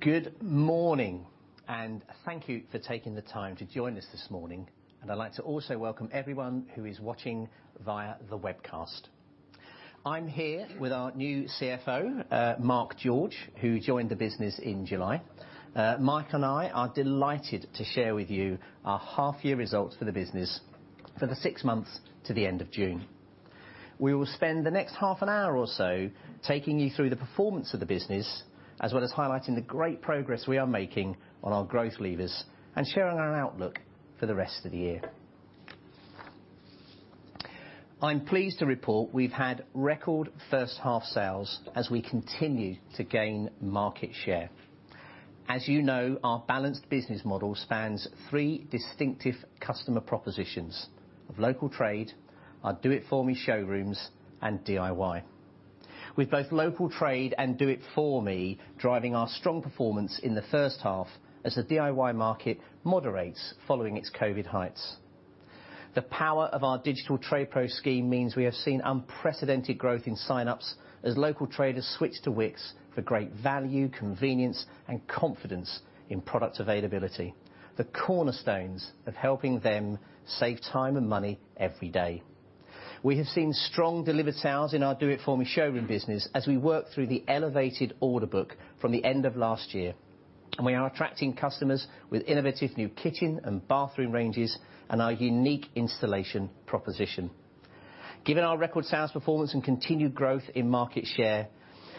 Good morning, and thank you for taking the time to join us this morning. I'd like to also welcome everyone who is watching via the webcast. I'm here with our new CFO, Mark George, who joined the business in July. Mark and I are delighted to share with you our half-year results for the business for the six months to the end of June. We will spend the next half an hour or so taking you through the performance of the business, as well as highlighting the great progress we are making on our growth levers and sharing our outlook for the rest of the year. I'm pleased to report we've had record H1 sales as we continue to gain market share. As you know, our balanced business model spans three distinctive customer propositions of local trade, our Do It For Me showrooms, and DIY. With both local trade and Do It For Me driving our strong performance in the H1 as the DIY market moderates following its COVID heights. The power of our digital TradePro scheme means we have seen unprecedented growth in sign-ups as local traders switch to Wickes for great value, convenience, and confidence in product availability, the cornerstones of helping them save time and money every day. We have seen strong delivered sales in our Do It For Me showroom business as we work through the elevated order book from the end of last year, and we are attracting customers with innovative new kitchen and bathroom ranges and our unique installation proposition. Given our record sales performance and continued growth in market share,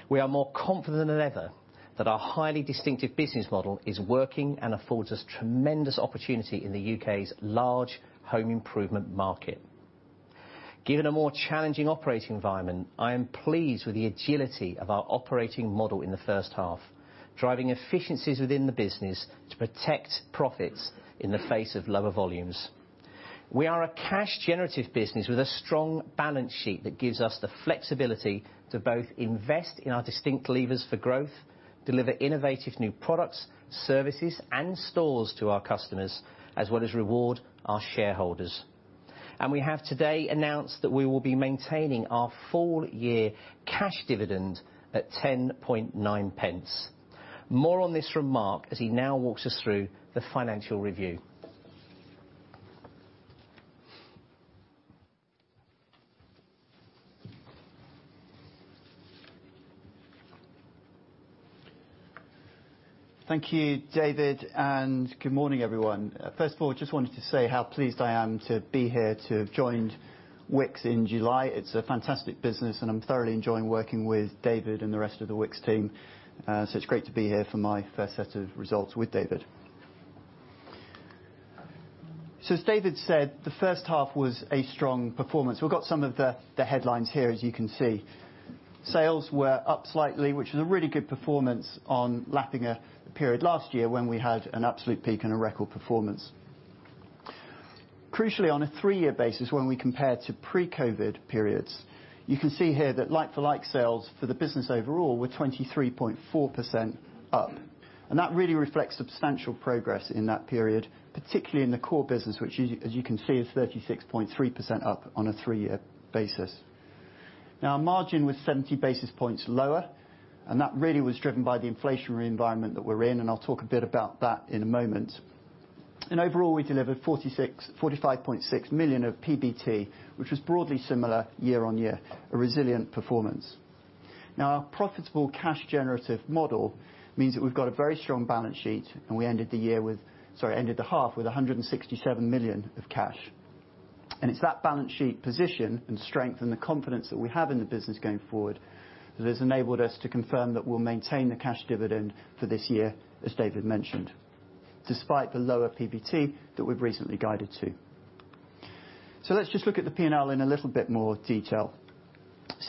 we are more confident than ever that our highly distinctive business model is working and affords us tremendous opportunity in the U.K.'s large home improvement market. Given a more challenging operating environment, I am pleased with the agility of our operating model in the H1, driving efficiencies within the business to protect profits in the face of lower volumes. We are a cash generative business with a strong balance sheet that gives us the flexibility to both invest in our distinct levers for growth, deliver innovative new products, services, and stores to our customers, as well as reward our shareholders. We have today announced that we will be maintaining our full year cash dividend at 0.109. More on this from Mark as he now walks us through the financial review. Thank you, David, and good morning, everyone. First of all, just wanted to say how pleased I am to be here to have joined Wickes in July. It's a fantastic business, and I'm thoroughly enjoying working with David and the rest of the Wickes team, so it's great to be here for my first set of results with David. As David said, the H1 was a strong performance. We've got some of the headlines here, as you can see. Sales were up slightly, which is a really good performance on lapping a period last year when we had an absolute peak and a record performance. Crucially, on a three-year basis, when we compare to pre-COVID periods, you can see here that like-for-like sales for the business overall were 23.4% up, and that really reflects substantial progress in that period, particularly in the core business, which, as you can see, is 36.3% up on a three-year basis. Now, our margin was 70 basis points lower, and that really was driven by the inflationary environment that we're in, and I'll talk a bit about that in a moment. Overall, we delivered 45.6 million of PBT, which was broadly similar year-on-year, a resilient performance. Now, our profitable cash generative model means that we've got a very strong balance sheet, and we ended the half with 167 million of cash. It's that balance sheet position and strength and the confidence that we have in the business going forward that has enabled us to confirm that we'll maintain the cash dividend for this year, as David mentioned, despite the lower PBT that we've recently guided to. Let's just look at the P&L in a little bit more detail.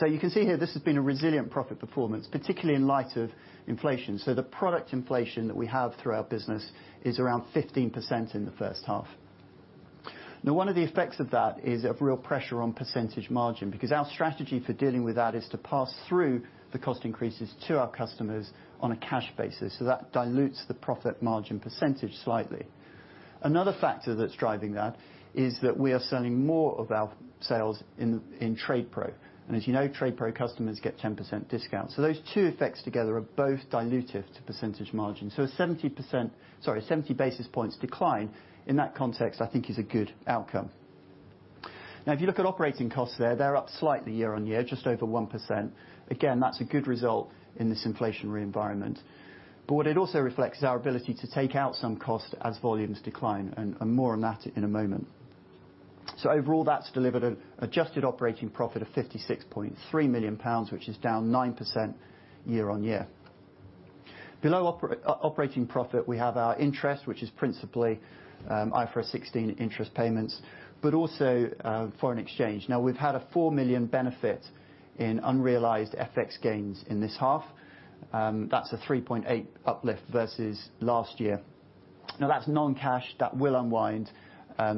You can see here, this has been a resilient profit performance, particularly in light of inflation. The product inflation that we have through our business is around 15% in the H1. Now, one of the effects of that is a real pressure on percentage margin, because our strategy for dealing with that is to pass through the cost increases to our customers on a cash basis, so that dilutes the profit margin percentage slightly. Another factor that's driving that is that we are selling more of our sales in TradePro, and as you know, TradePro customers get 10% discount. So those two effects together are both dilutive to percentage margin. So a 70 basis points decline in that context, I think is a good outcome. Now, if you look at operating costs there, they're up slightly year-on-year, just over 1%. Again, that's a good result in this inflationary environment. But what it also reflects is our ability to take out some cost as volumes decline and more on that in a moment. So overall, that's delivered an adjusted operating profit of 56.3 million pounds, which is down 9% year-on-year. Below operating profit, we have our interest, which is principally IFRS 16 interest payments, but also foreign exchange. Now, we've had a 4 million benefit in unrealized FX gains in this half. That's a 3.8 uplift versus last year. Now that's non-cash that will unwind,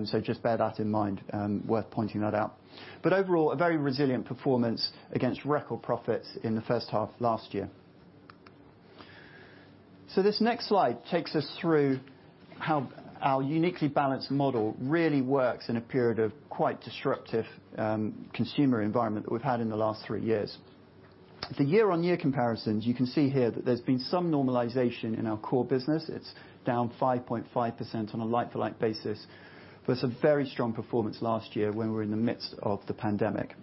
so just bear that in mind, worth pointing that out. Overall, a very resilient performance against record profits in the H1 of last year. This next slide takes us through how our uniquely balanced model really works in a period of quite disruptive consumer environment that we've had in the last three years. The year-on-year comparisons, you can see here that there's been some normalization in our core business. It's down 5.5% on a like-for-like basis, but some very strong performance last year when we were in the midst of the pandemic.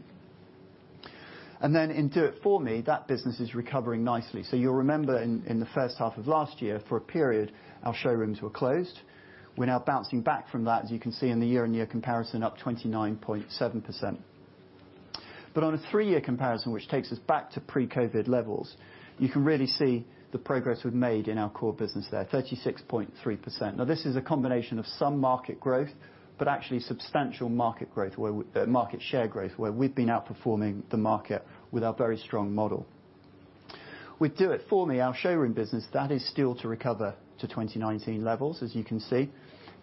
Then in Do It For Me, that business is recovering nicely. You'll remember in the H1 of last year, for a period, our showrooms were closed. We're now bouncing back from that, as you can see in the year-on-year comparison, up 29.7%. On a three-year comparison, which takes us back to pre-COVID levels, you can really see the progress we've made in our core business there, 36.3%. Now, this is a combination of some market growth, but actually substantial market share growth where we've been outperforming the market with our very strong model. With Do It For Me, our showroom business, that is still to recover to 2019 levels, as you can see,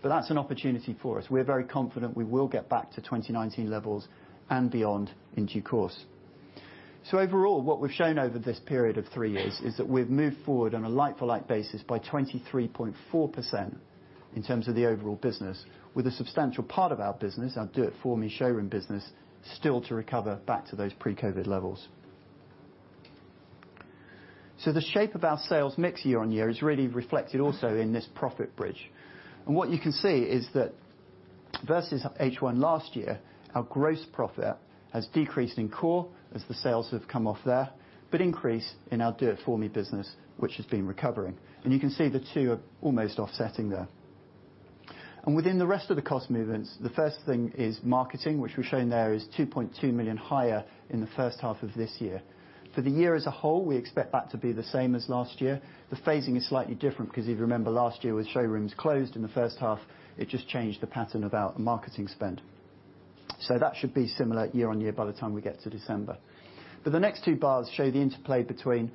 but that's an opportunity for us. We're very confident we will get back to 2019 levels and beyond in due course. Overall, what we've shown over this period of three years is that we've moved forward on a like-for-like basis by 23.4% in terms of the overall business, with a substantial part of our business, our Do It For Me showroom business, still to recover back to those pre-COVID levels. The shape of our sales mix year-on-year is really reflected also in this profit bridge. What you can see is that versus H1 last year, our gross profit has decreased in core as the sales have come off there, but increased in our Do It For Me business, which has been recovering. You can see the two are almost offsetting there. Within the rest of the cost movements, the first thing is marketing, which we've shown there is 2.2 million higher in the H1 of this year. For the year as a whole, we expect that to be the same as last year. The phasing is slightly different because if you remember last year with showrooms closed in the H1, it just changed the pattern of our marketing spend. That should be similar year-on-year by the time we get to December. The next two bars show the interplay between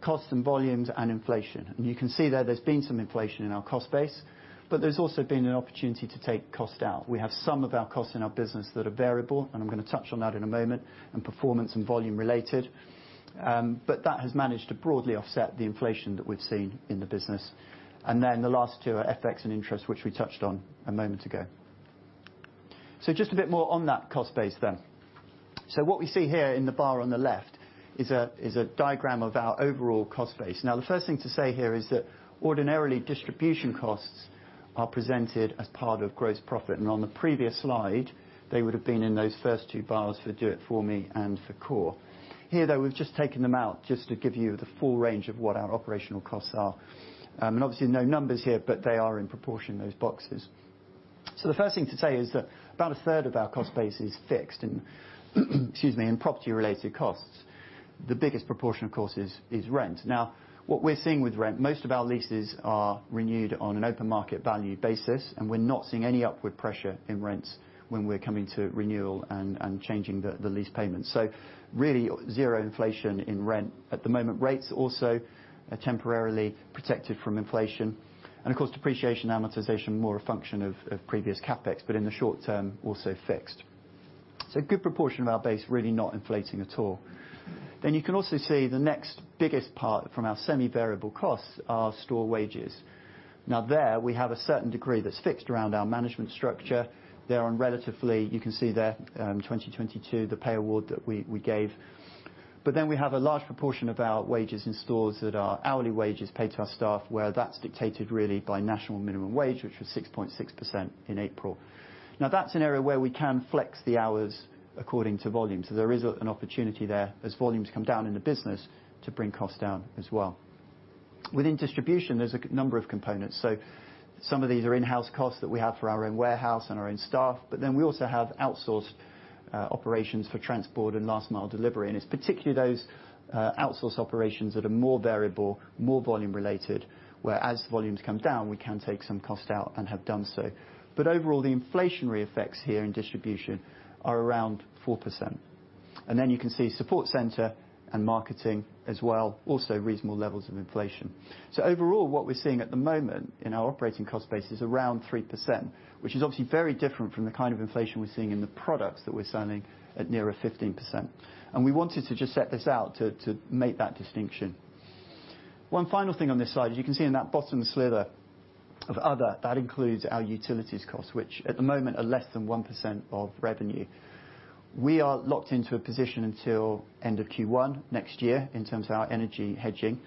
cost and volumes and inflation. You can see that there's been some inflation in our cost base, but there's also been an opportunity to take cost out. We have some of our costs in our business that are variable, and I'm gonna touch on that in a moment, and performance and volume related. That has managed to broadly offset the inflation that we've seen in the business. The last two are FX and interest, which we touched on a moment ago. Just a bit more on that cost base then. What we see here in the bar on the left is a diagram of our overall cost base. Now the first thing to say here is that ordinarily, distribution costs are presented as part of gross profit, and on the previous slide, they would have been in those first two bars for Do It For Me and for Core. Here, though, we've just taken them out just to give you the full range of what our operational costs are. Obviously no numbers here, but they are in proportion, those boxes. The first thing to say is that about a third of our cost base is fixed in property-related costs. The biggest proportion, of course, is rent. What we're seeing with rent, most of our leases are renewed on an open market value basis, and we're not seeing any upward pressure in rents when we're coming to renewal and changing the lease payments. Really zero inflation in rent at the moment. Rates also are temporarily protected from inflation. Of course, depreciation, amortization, more a function of previous CapEx, but in the short term, also fixed. A good proportion of our base really not inflating at all. You can also see the next biggest part from our semi-variable costs are store wages. There, we have a certain degree that's fixed around our management structure. They are on relatively, you can see there, 2022, the pay award that we gave. We have a large proportion of our wages in stores that are hourly wages paid to our staff, where that's dictated really by national minimum wage, which was 6.6% in April. Now, that's an area where we can flex the hours according to volume. There is an opportunity there as volumes come down in the business to bring costs down as well. Within distribution, there's a number of components. Some of these are in-house costs that we have for our own warehouse and our own staff, but then we also have outsourced operations for transport and last mile delivery. It's particularly those outsourced operations that are more variable, more volume-related, where as volumes come down, we can take some cost out and have done so. Overall, the inflationary effects here in distribution are around 4%. You can see support center and marketing as well, also reasonable levels of inflation. Overall, what we're seeing at the moment in our operating cost base is around 3%, which is obviously very different from the kind of inflation we're seeing in the products that we're selling at nearer 15%. We wanted to just set this out to make that distinction. One final thing on this slide, as you can see in that bottom sliver of other, that includes our utilities costs, which at the moment are less than 1% of revenue. We are locked into a position until end of Q1 next year in terms of our energy hedging,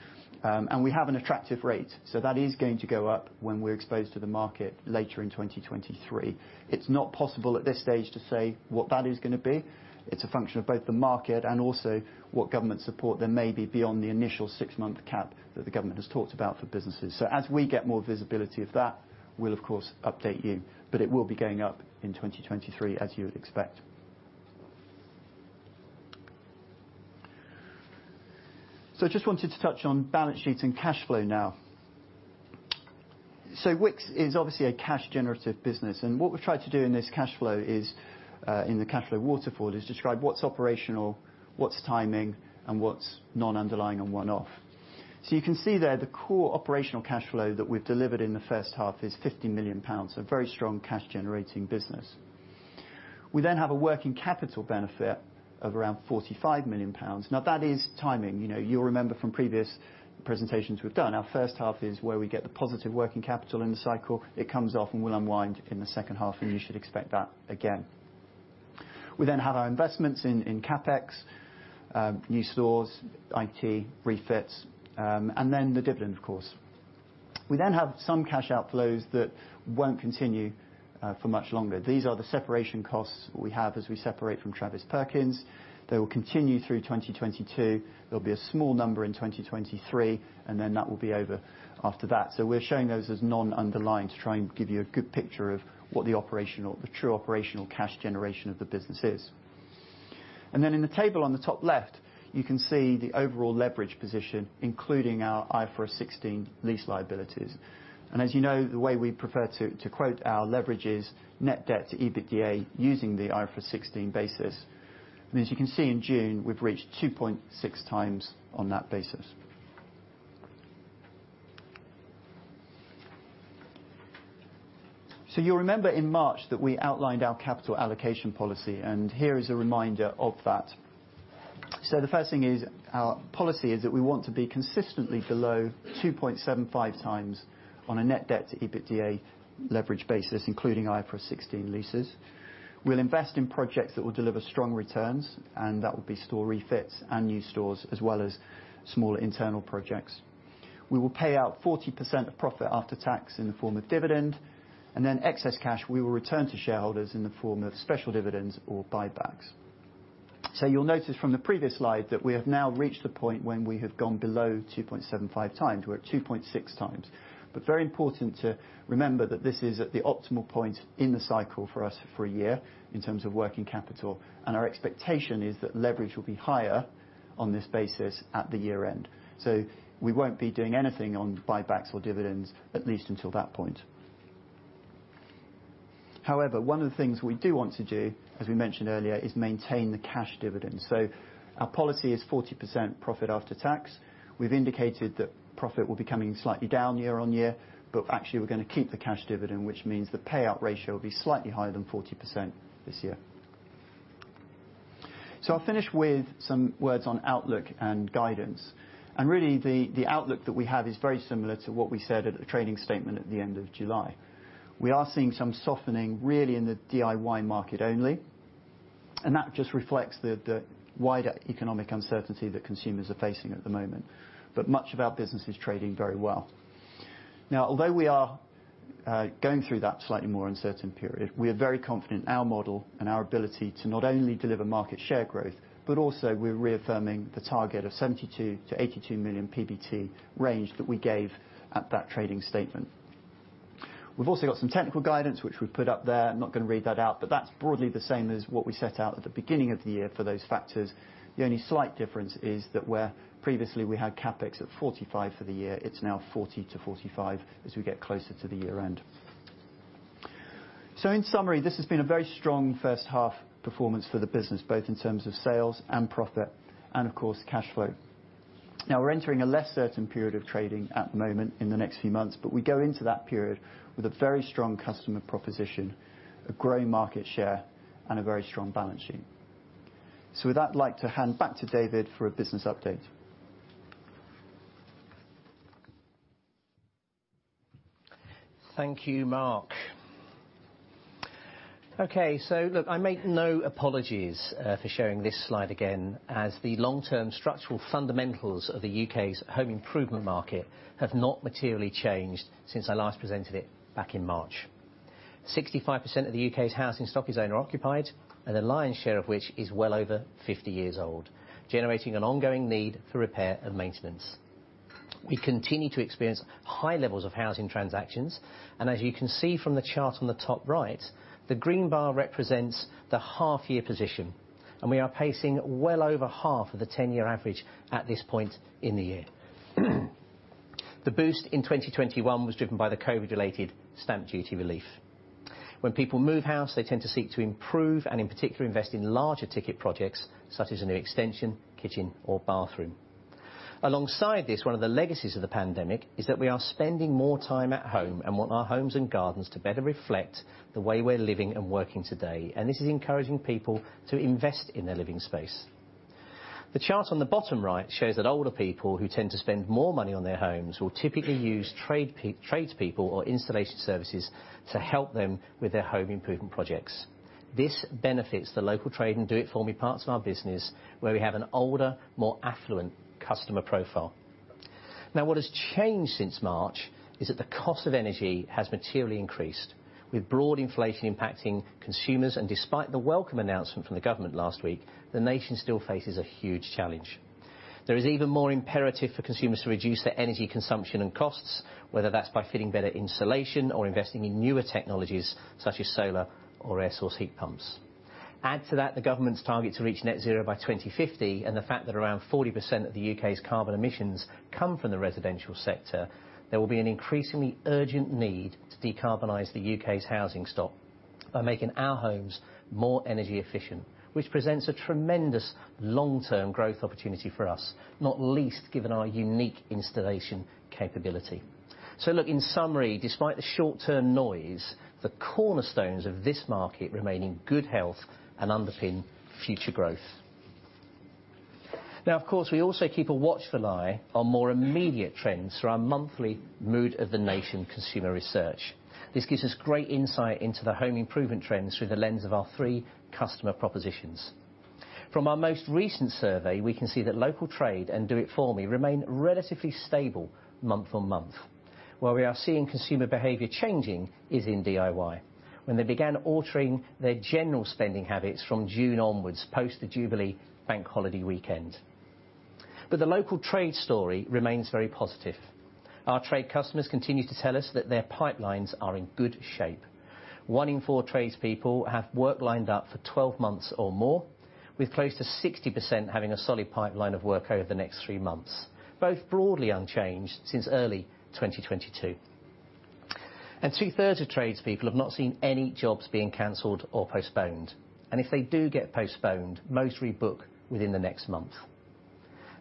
and we have an attractive rate. That is going to go up when we're exposed to the market later in 2023. It's not possible at this stage to say what that is gonna be. It's a function of both the market and also what government support there may be beyond the initial six-month cap that the government has talked about for businesses. As we get more visibility of that, we'll of course update you, but it will be going up in 2023 as you would expect. I just wanted to touch on balance sheet and cash flow now. Wickes is obviously a cash generative business, and what we've tried to do in the cash flow waterfall is describe what's operational, what's timing, and what's non-underlying and one-off. You can see there, the core operational cash flow that we've delivered in the H1 is 50 million pounds, a very strong cash generating business. We have a working capital benefit of around 45 million pounds. Now that is timing. You know, you'll remember from previous presentations we've done, our H1 is where we get the positive working capital in the cycle. It comes off and will unwind in the H2, and you should expect that again. We have our investments in CapEx, new stores, IT, refits, and then the dividend of course. We have some cash outflows that won't continue for much longer. These are the separation costs we have as we separate from Travis Perkins. They will continue through 2022. There'll be a small number in 2023, and then that will be over after that. We're showing those as non-underlying to try and give you a good picture of what the operational, the true operational cash generation of the business is. In the table on the top left, you can see the overall leverage position, including our IFRS 16 lease liabilities. As you know, the way we prefer to quote our leverage is net debt to EBITDA using the IFRS 16 basis. As you can see in June, we've reached 2.6x on that basis. You'll remember in March that we outlined our capital allocation policy, and here is a reminder of that. The first thing is our policy is that we want to be consistently below 2.75x on a net debt to EBITDA leverage basis, including IFRS 16 leases. We'll invest in projects that will deliver strong returns, and that will be store refits and new stores as well as smaller internal projects. We will pay out 40% of profit after tax in the form of dividend. Excess cash, we will return to shareholders in the form of special dividends or buybacks. You'll notice from the previous slide that we have now reached the point when we have gone below 2.75x. We're at 2.6x. Very important to remember that this is at the optimal point in the cycle for us for a year in terms of working capital, and our expectation is that leverage will be higher on this basis at the year end. We won't be doing anything on buybacks or dividends at least until that point. However, one of the things we do want to do, as we mentioned earlier, is maintain the cash dividend. Our policy is 40% profit after tax. We've indicated that profit will be coming slightly down year-on-year, but actually we're gonna keep the cash dividend, which means the payout ratio will be slightly higher than 40% this year. I'll finish with some words on outlook and guidance. Really the outlook that we have is very similar to what we said at the trading statement at the end of July. We are seeing some softening, really in the DIY market only, and that just reflects the wider economic uncertainty that consumers are facing at the moment. Much of our business is trading very well. Now although we are going through that slightly more uncertain period, we are very confident in our model and our ability to not only deliver market share growth, but also we're reaffirming the target of 72 million-82 million PBT range that we gave at that trading statement. We've also got some technical guidance, which we've put up there. I'm not going to read that out. That's broadly the same as what we set out at the beginning of the year for those factors. The only slight difference is that where previously we had CapEx at 45 for the year, it's now 40-45 as we get closer to the year end. In summary, this has been a very strong H1 performance for the business, both in terms of sales and profit and of course cash flow. Now we're entering a less certain period of trading at the moment in the next few months, but we go into that period with a very strong customer proposition, a growing market share, and a very strong balance sheet. With that, I'd like to hand back to David for a business update. Thank you, Mark. Okay. Look, I make no apologies for showing this slide again, as the long-term structural fundamentals of the U.K.'s home improvement market have not materially changed since I last presented it back in March. 65% of the U.K.'s housing stock is owner occupied, and the lion's share of which is well over 50 years old, generating an ongoing need for repair and maintenance. We continue to experience high levels of housing transactions, and as you can see from the chart on the top right, the green bar represents the half year position, and we are pacing well over half of the 10-year average at this point in the year. The boost in 2021 was driven by the COVID-related stamp duty relief. When people move house, they tend to seek to improve, and in particular, invest in larger ticket projects such as a new extension, kitchen, or bathroom. Alongside this, one of the legacies of the pandemic is that we are spending more time at home and want our homes and gardens to better reflect the way we're living and working today, and this is encouraging people to invest in their living space. The chart on the bottom right shows that older people who tend to spend more money on their homes will typically use tradespeople or installation services to help them with their home improvement projects. This benefits the local trade and Do It For Me parts of our business where we have an older, more affluent customer profile. Now, what has changed since March is that the cost of energy has materially increased. With broad inflation impacting consumers and despite the welcome announcement from the government last week, the nation still faces a huge challenge. There is even more imperative for consumers to reduce their energy consumption and costs, whether that's by fitting better insulation or investing in newer technologies such as solar or air source heat pumps. Add to that the government's target to reach net zero by 2050 and the fact that around 40% of the U.K.'s carbon emissions come from the residential sector, there will be an increasingly urgent need to decarbonize the U.K.'s housing stock by making our homes more energy efficient, which presents a tremendous long-term growth opportunity for us, not least given our unique installation capability. Look, in summary, despite the short-term noise, the cornerstones of this market remain in good health and underpin future growth. Now, of course, we also keep a watchful eye on more immediate trends through our monthly Mood of the Nation consumer research. This gives us great insight into the home improvement trends through the lens of our three customer propositions. From our most recent survey, we can see that local trade and Do It For Me remain relatively stable month-on-month. Where we are seeing consumer behavior changing is in DIY, when they began altering their general spending habits from June onwards, post the Jubilee Bank Holiday weekend. The local trade story remains very positive. Our trade customers continue to tell us that their pipelines are in good shape. One in four tradespeople have work lined up for 12 months or more, with close to 60% having a solid pipeline of work over the next three months, both broadly unchanged since early 2022. Two-thirds of tradespeople have not seen any jobs being canceled or postponed. If they do get postponed, most rebook within the next month.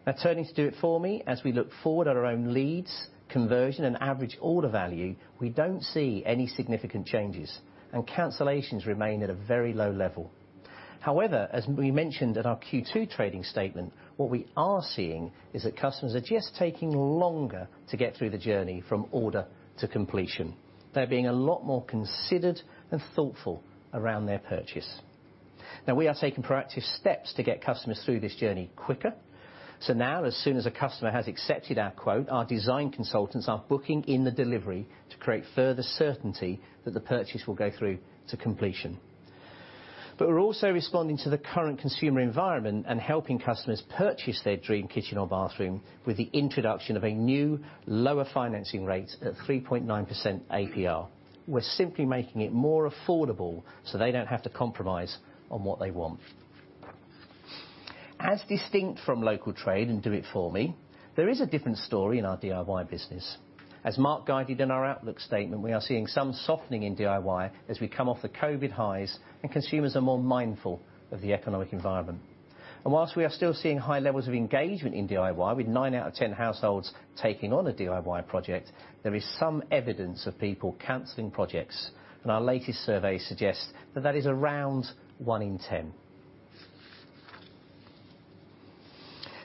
Now turning to Do It For Me, as we look forward at our own leads, conversion, and average order value, we don't see any significant changes, and cancellations remain at a very low level. However, as we mentioned at our Q2 trading statement, what we are seeing is that customers are just taking longer to get through the journey from order to completion. They're being a lot more considered and thoughtful around their purchase. Now we are taking proactive steps to get customers through this journey quicker. Now, as soon as a customer has accepted our quote, our design consultants are booking in the delivery to create further certainty that the purchase will go through to completion. We're also responding to the current consumer environment and helping customers purchase their dream kitchen or bathroom with the introduction of a new lower financing rate at 3.9% APR. We're simply making it more affordable so they don't have to compromise on what they want. As distinct from local trade in Do It For Me, there is a different story in our DIY business. As Mark guided in our outlook statement, we are seeing some softening in DIY as we come off the COVID highs and consumers are more mindful of the economic environment. While we are still seeing high levels of engagement in DIY, with nine out of 10 households taking on a DIY project, there is some evidence of people canceling projects, and our latest survey suggests that that is around one in 10.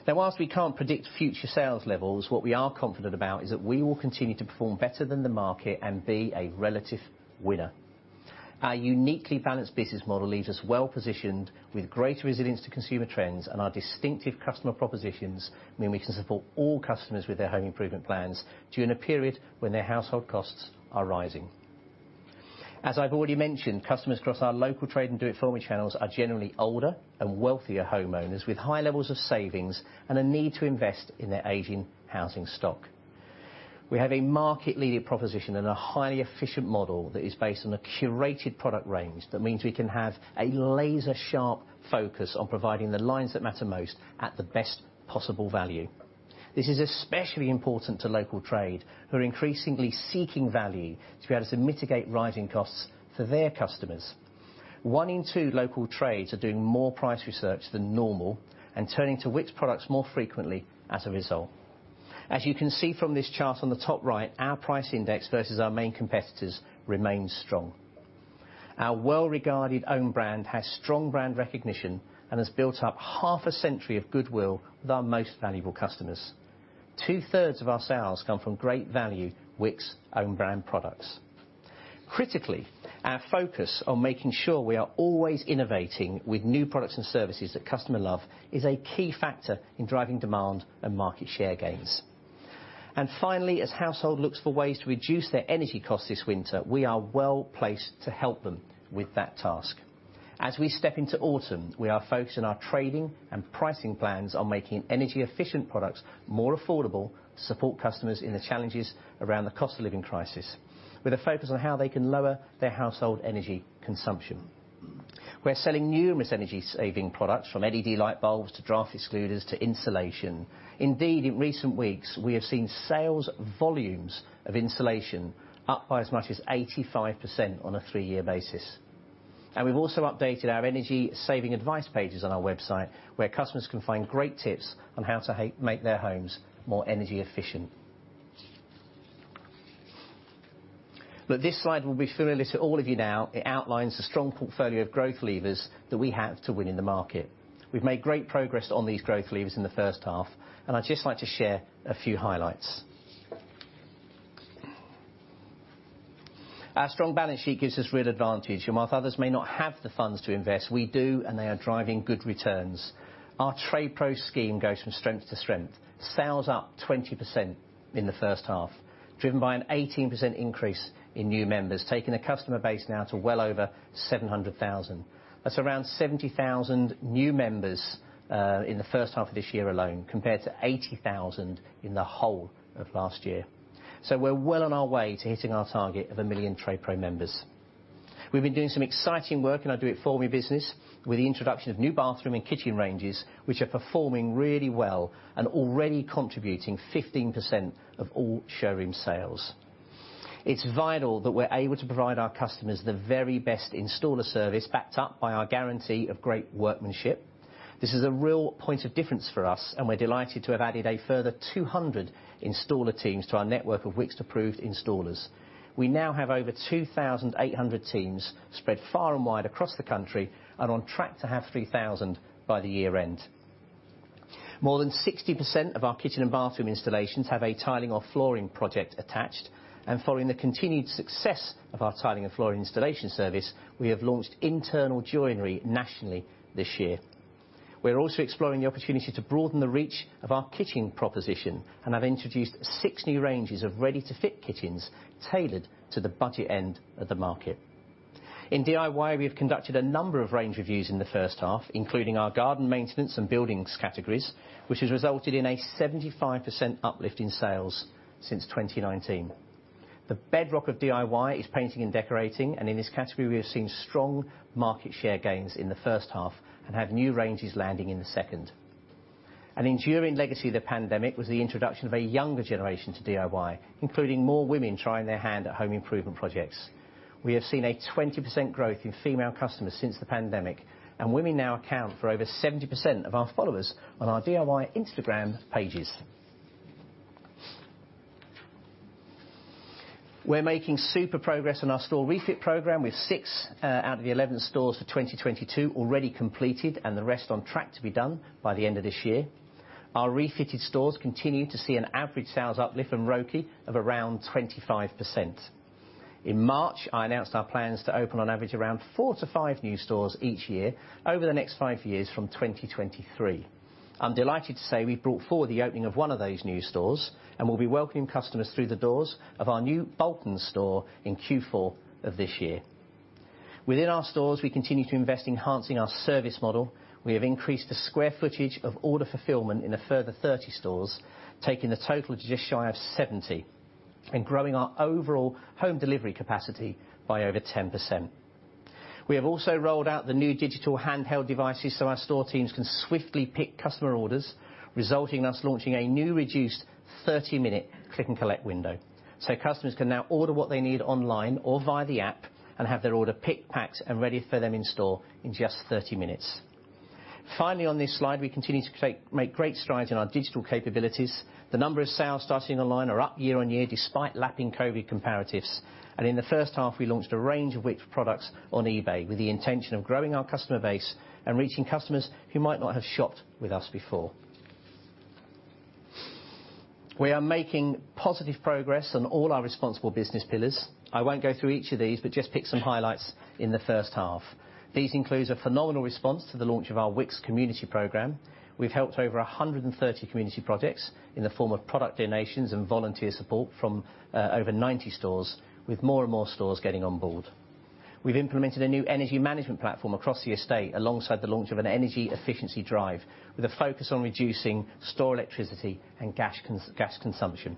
Now, while we can't predict future sales levels, what we are confident about is that we will continue to perform better than the market and be a relative winner. Our uniquely balanced business model leaves us well-positioned with greater resilience to consumer trends, and our distinctive customer propositions mean we can support all customers with their home improvement plans during a period when their household costs are rising. As I've already mentioned, customers across our local trade and Do It For Me channels are generally older and wealthier homeowners with high levels of savings and a need to invest in their aging housing stock. We have a market-leading proposition and a highly efficient model that is based on a curated product range that means we can have a laser-sharp focus on providing the lines that matter most at the best possible value. This is especially important to local trade, who are increasingly seeking value to be able to mitigate rising costs for their customers. One in two local trades are doing more price research than normal and turning to Wickes products more frequently as a result. As you can see from this chart on the top right, our price index versus our main competitors remains strong. Our well-regarded own brand has strong brand recognition and has built up half a century of goodwill with our most valuable customers. 2/3 of our sales come from great value Wickes own brand products. Critically, our focus on making sure we are always innovating with new products and services that customers love is a key factor in driving demand and market share gains. Finally, as households look for ways to reduce their energy costs this winter, we are well placed to help them with that task. As we step into autumn, we are focused on our trading and pricing plans on making energy-efficient products more affordable to support customers in the challenges around the cost of living crisis, with a focus on how they can lower their household energy consumption. We're selling numerous energy-saving products from LED light bulbs to draft excluders to insulation. Indeed, in recent weeks, we have seen sales volumes of insulation up by as much as 85% on a three-year basis. We've also updated our energy-saving advice pages on our website, where customers can find great tips on how to make their homes more energy efficient. Look, this slide will be familiar to all of you now. It outlines the strong portfolio of growth levers that we have to win in the market. We've made great progress on these growth levers in the H1, and I'd just like to share a few highlights. Our strong balance sheet gives us real advantage, and while others may not have the funds to invest, we do, and they are driving good returns. Our Trade Pro scheme goes from strength to strength. Sales up 20% in the H1, driven by an 18% increase in new members, taking the customer base now to well over 700,000. That's around 70,000 new members in the H1 of this year alone, compared to 80,000 in the whole of last year. We're well on our way to hitting our target of 1 million TradePro members. We've been doing some exciting work in our Do It For Me business with the introduction of new bathroom and kitchen ranges, which are performing really well and already contributing 15% of all showroom sales. It's vital that we're able to provide our customers the very best installer service backed up by our guarantee of great workmanship. This is a real point of difference for us, and we're delighted to have added a further 200 installer teams to our network of Wickes approved installers. We now have over 2,800 teams spread far and wide across the country and on track to have 3,000 by year-end. More than 60% of our kitchen and bathroom installations have a tiling or flooring project attached. Following the continued success of our tiling and flooring installation service, we have launched internal joinery nationally this year. We're also exploring the opportunity to broaden the reach of our kitchen proposition and have introduced six new ranges of ready-to-fit kitchens tailored to the budget end of the market. In DIY, we have conducted a number of range reviews in the H1, including our garden maintenance and buildings categories, which has resulted in a 75% uplift in sales since 2019. The bedrock of DIY is painting and decorating, and in this category we have seen strong market share gains in the H1 and have new ranges landing in the second. An enduring legacy of the pandemic was the introduction of a younger generation to DIY, including more women trying their hand at home improvement projects. We have seen a 20% growth in female customers since the pandemic, and women now account for over 70% of our followers on our DIY Instagram pages. We're making super progress on our store refit program, with six out of the 11 stores for 2022 already completed and the rest on track to be done by the end of this year. Our refitted stores continue to see an average sales uplift from ROCE of around 25%. In March, I announced our plans to open on average around four-five new stores each year over the next five years from 2023. I'm delighted to say we've brought forward the opening of one of those new stores and will be welcoming customers through the doors of our new Bolton store in Q4 of this year. Within our stores, we continue to invest in enhancing our service model. We have increased the square footage of order fulfillment in a further 30 stores, taking the total to just shy of 70 and growing our overall home delivery capacity by over 10%. We have also rolled out the new digital handheld devices so our store teams can swiftly pick customer orders, resulting in us launching a new reduced 30-minute Click & Collect window. Customers can now order what they need online or via the app and have their order picked, packed, and ready for them in store in just 30 minutes. Finally, on this slide, we continue to make great strides in our digital capabilities. The number of sales starting online are up year-on-year despite lapping COVID comparatives. In the H1, we launched a range of Wickes products on eBay with the intention of growing our customer base and reaching customers who might not have shopped with us before. We are making positive progress on all our responsible business pillars. I won't go through each of these, but just pick some highlights in the H1. These include a phenomenal response to the launch of our Wickes Community Programme. We've helped over 130 community projects in the form of product donations and volunteer support from over 90 stores, with more and more stores getting on board. We've implemented a new energy management platform across the estate alongside the launch of an energy efficiency drive, with a focus on reducing store electricity and gas consumption.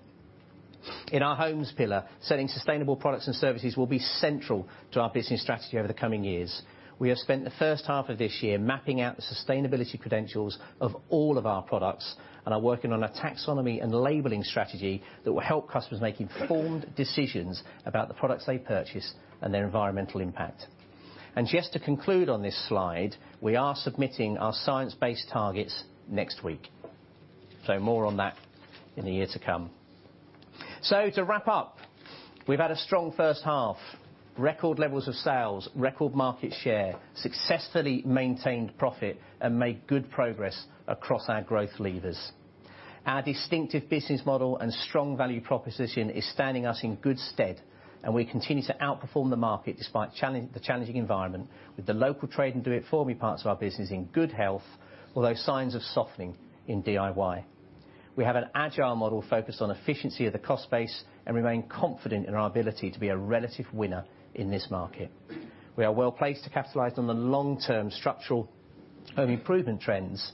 In our homes pillar, selling sustainable products and services will be central to our business strategy over the coming years. We have spent the H1 of this year mapping out the sustainability credentials of all of our products and are working on a taxonomy and labeling strategy that will help customers make informed decisions about the products they purchase and their environmental impact. Just to conclude on this slide, we are submitting our science-based targets next week. More on that in the year to come. To wrap up, we've had a strong H1, record levels of sales, record market share, successfully maintained profit, and made good progress across our growth levers. Our distinctive business model and strong value proposition is standing us in good stead, and we continue to outperform the market despite challenge, the challenging environment with the local trade and Do It For Me parts of our business in good health, although signs of softening in DIY. We have an agile model focused on efficiency of the cost base and remain confident in our ability to be a relative winner in this market. We are well-placed to capitalize on the long-term structural home improvement trends.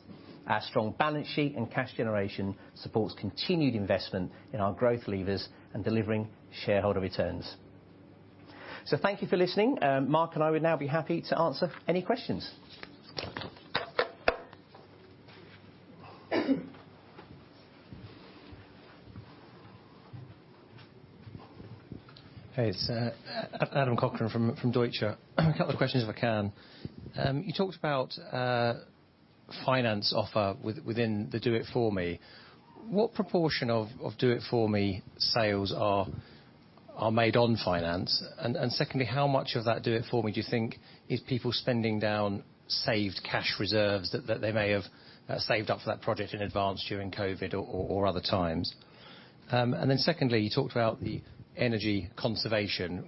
Our strong balance sheet and cash generation supports continued investment in our growth levers and delivering shareholder returns. Thank you for listening. Mark and I would now be happy to answer any questions. Hey, it's Adam Cochrane from Deutsche Bank. A couple of questions if I can. You talked about finance offer within the Do It For Me. What proportion of Do It For Me sales are made on finance? And secondly, how much of that Do It For Me do you think is people spending down saved cash reserves that they may have saved up for that project in advance during COVID or other times? And then secondly, you talked about the energy conservation.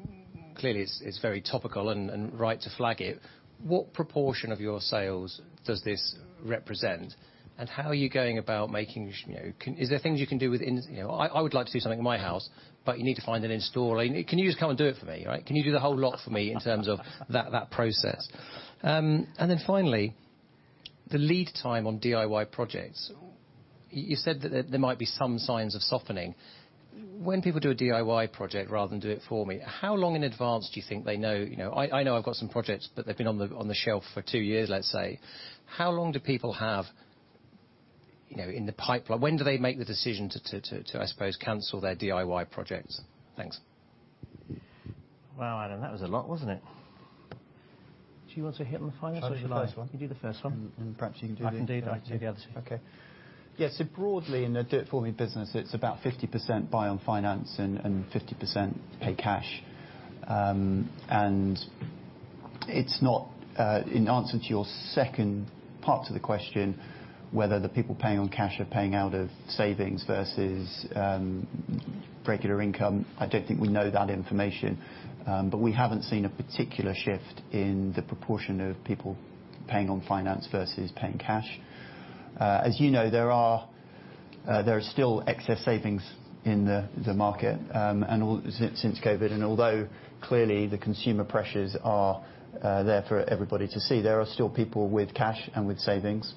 Clearly it's very topical and right to flag it. What proportion of your sales does this represent? And how are you going about making it? You know, is there things you can do within? You know, I would like to do something at my house, but you need to find an installer. Can you just come and do it for me, right? Can you do the whole lot for me in terms of that process? Finally, the lead time on DIY projects. You said that there might be some signs of softening. When people do a DIY project rather than Do It For Me, how long in advance do you think they know? You know, I know I've got some projects that they've been on the shelf for two years, let's say. How long do people have, you know, in the pipeline? When do they make the decision to, I suppose, cancel their DIY projects? Thanks. Wow, Adam, that was a lot, wasn't it? Do you want to hit on the finance or shall I? I'll do the first one. You do the first one. Perhaps you can do the. I can do the other two. Okay. Yeah, broadly, in the Do It For Me business, it's about 50% buy on finance and 50% pay cash. It's not in answer to your second part of the question, whether the people paying on cash are paying out of savings versus regular income. I don't think we know that information. We haven't seen a particular shift in the proportion of people paying on finance versus paying cash. As you know, there are still excess savings in the market and since COVID. Although clearly the consumer pressures are there for everybody to see, there are still people with cash and with savings.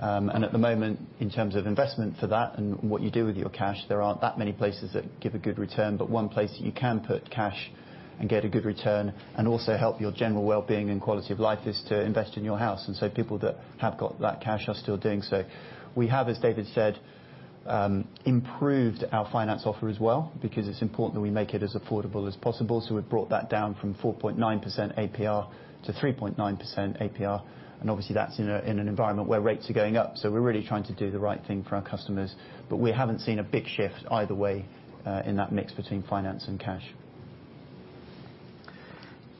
At the moment, in terms of investment for that and what you do with your cash, there aren't that many places that give a good return. One place that you can put cash and get a good return, and also help your general wellbeing and quality of life, is to invest in your house. People that have got that cash are still doing so. We have, as David said, improved our finance offer as well because it's important that we make it as affordable as possible. We've brought that down from 4.9% APR to 3.9% APR, and obviously that's in an environment where rates are going up. We're really trying to do the right thing for our customers. We haven't seen a big shift either way, in that mix between finance and cash.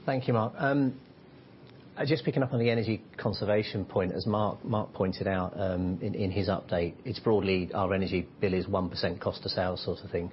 Thank you, Mark. Just picking up on the energy conservation point, as Mark pointed out, in his update. It's broadly our energy bill is 1% cost to sales sort of thing.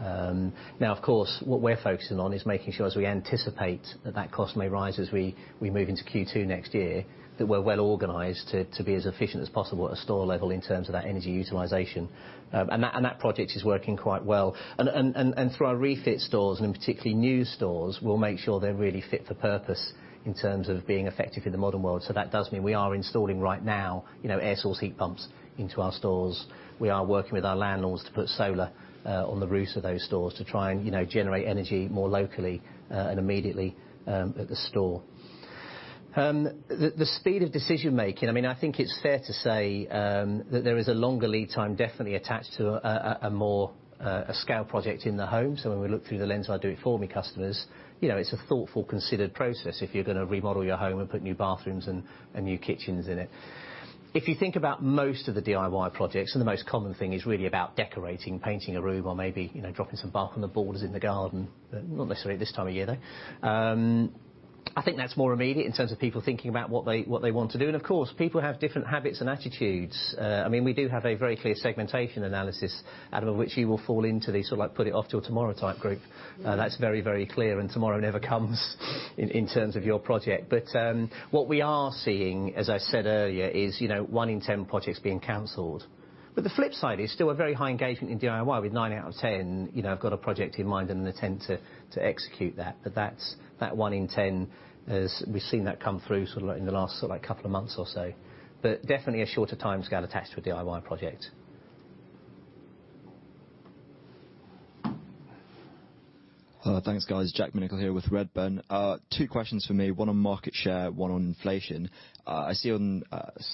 Now of course, what we're focusing on is making sure as we anticipate that cost may rise as we move into Q2 next year, that we're well organized to be as efficient as possible at a store level in terms of that energy utilization. That project is working quite well. Through our refit stores, and in particular new stores, we'll make sure they're really fit for purpose in terms of being effective in the modern world. That does mean we are installing right now, you know, air source heat pumps into our stores. We are working with our landlords to put solar on the roofs of those stores to try and, you know, generate energy more locally and immediately at the store. The speed of decision making, I mean, I think it's fair to say, that there is a longer lead time definitely attached to a more large-scale project in the home. When we look through the lens of our Do It For Me customers, you know, it's a thoughtful, considered process if you're gonna remodel your home and put new bathrooms and new kitchens in it. If you think about most of the DIY projects, the most common thing is really about decorating, painting a room or maybe, you know, dropping some bark on the borders in the garden. Not necessarily at this time of year, though. I think that's more immediate in terms of people thinking about what they want to do. Of course, people have different habits and attitudes. I mean, we do have a very clear segmentation analysis, Adam, of which you will fall into the sort of like put it off till tomorrow type group. That's very, very clear and tomorrow never comes in terms of your project. What we are seeing, as I said earlier, is, you know, one in 10 projects being canceled. The flip side is still a very high engagement in DIY with nine out of 10, you know, have got a project in mind and intent to execute that. That's that one in 10. We've seen that come through sort of like in the last sort of like couple of months or so. Definitely a shorter timescale attached to a DIY project. Thanks, guys. Jack Minoli here with Redburn. Two questions from me, one on market share, one on inflation. I see on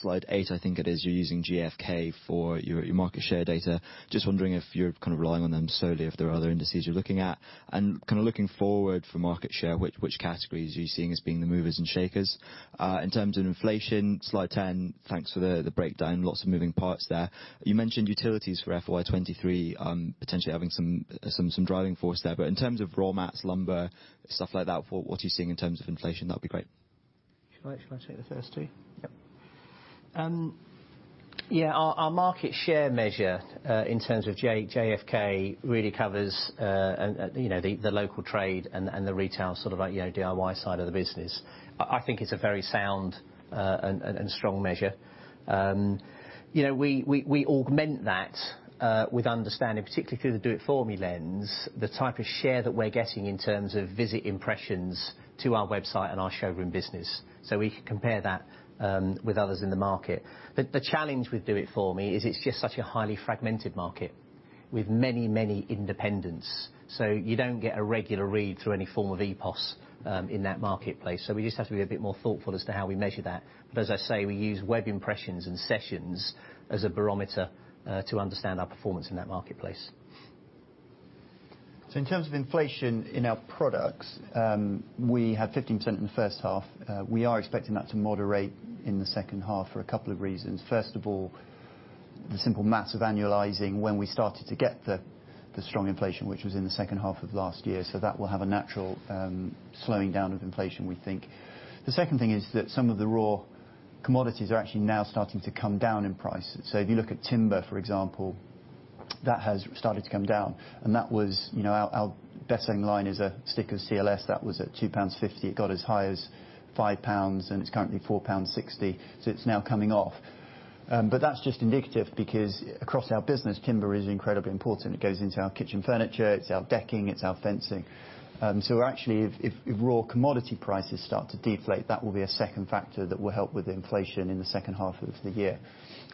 slide 8, I think it is, you're using GfK for your market share data. Just wondering if you're kind of relying on them solely, if there are other indices you're looking at? Kinda looking forward for market share, which categories are you seeing as being the movers and shakers? In terms of inflation, slide 10, thanks for the breakdown. Lots of moving parts there. You mentioned utilities for FY 2023 potentially having some driving force there. In terms of raw materials, lumber, stuff like that for what you're seeing in terms of inflation, that'd be great. Shall I take the first two? Yep. Our market share measure in terms of GfK really covers you know the local trade and the retail sort of like you know DIY side of the business. I think it's a very sound and strong measure. We augment that with understanding, particularly through the Do It For Me lens, the type of share that we're getting in terms of visit impressions to our website and our showroom business. We can compare that with others in the market. The challenge with Do It For Me is it's just such a highly fragmented market with many independents. You don't get a regular read through any form of EPOS in that marketplace. We just have to be a bit more thoughtful as to how we measure that. As I say, we use web impressions and sessions as a barometer to understand our performance in that marketplace. In terms of inflation in our products, we had 15% in the H1. We are expecting that to moderate in the H2 for a couple of reasons. First of all, the simple math of annualizing when we started to get the strong inflation, which was in the H2 of last year. That will have a natural slowing down of inflation, we think. The second thing is that some of the raw commodities are actually now starting to come down in price. If you look at timber, for example, that has started to come down, and that was, you know, our best selling line is a stick of CLS that was at £2.50. It got as high as £5, and it's currently £4.60. It's now coming off. That's just indicative because across our business, timber is incredibly important. It goes into our kitchen furniture, it's our decking, it's our fencing. So actually if raw commodity prices start to deflate, that will be a second factor that will help with inflation in the H2 of the year.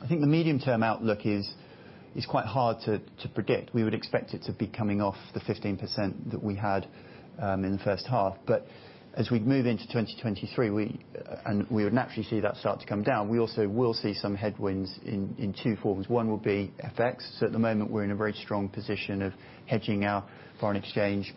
I think the medium-term outlook is quite hard to predict. We would expect it to be coming off the 15% that we had in the H1. As we move into 2023, we would naturally see that start to come down, we also will see some headwinds in two forms. One will be FX. So at the moment, we're in a very strong position of hedging our foreign exchange,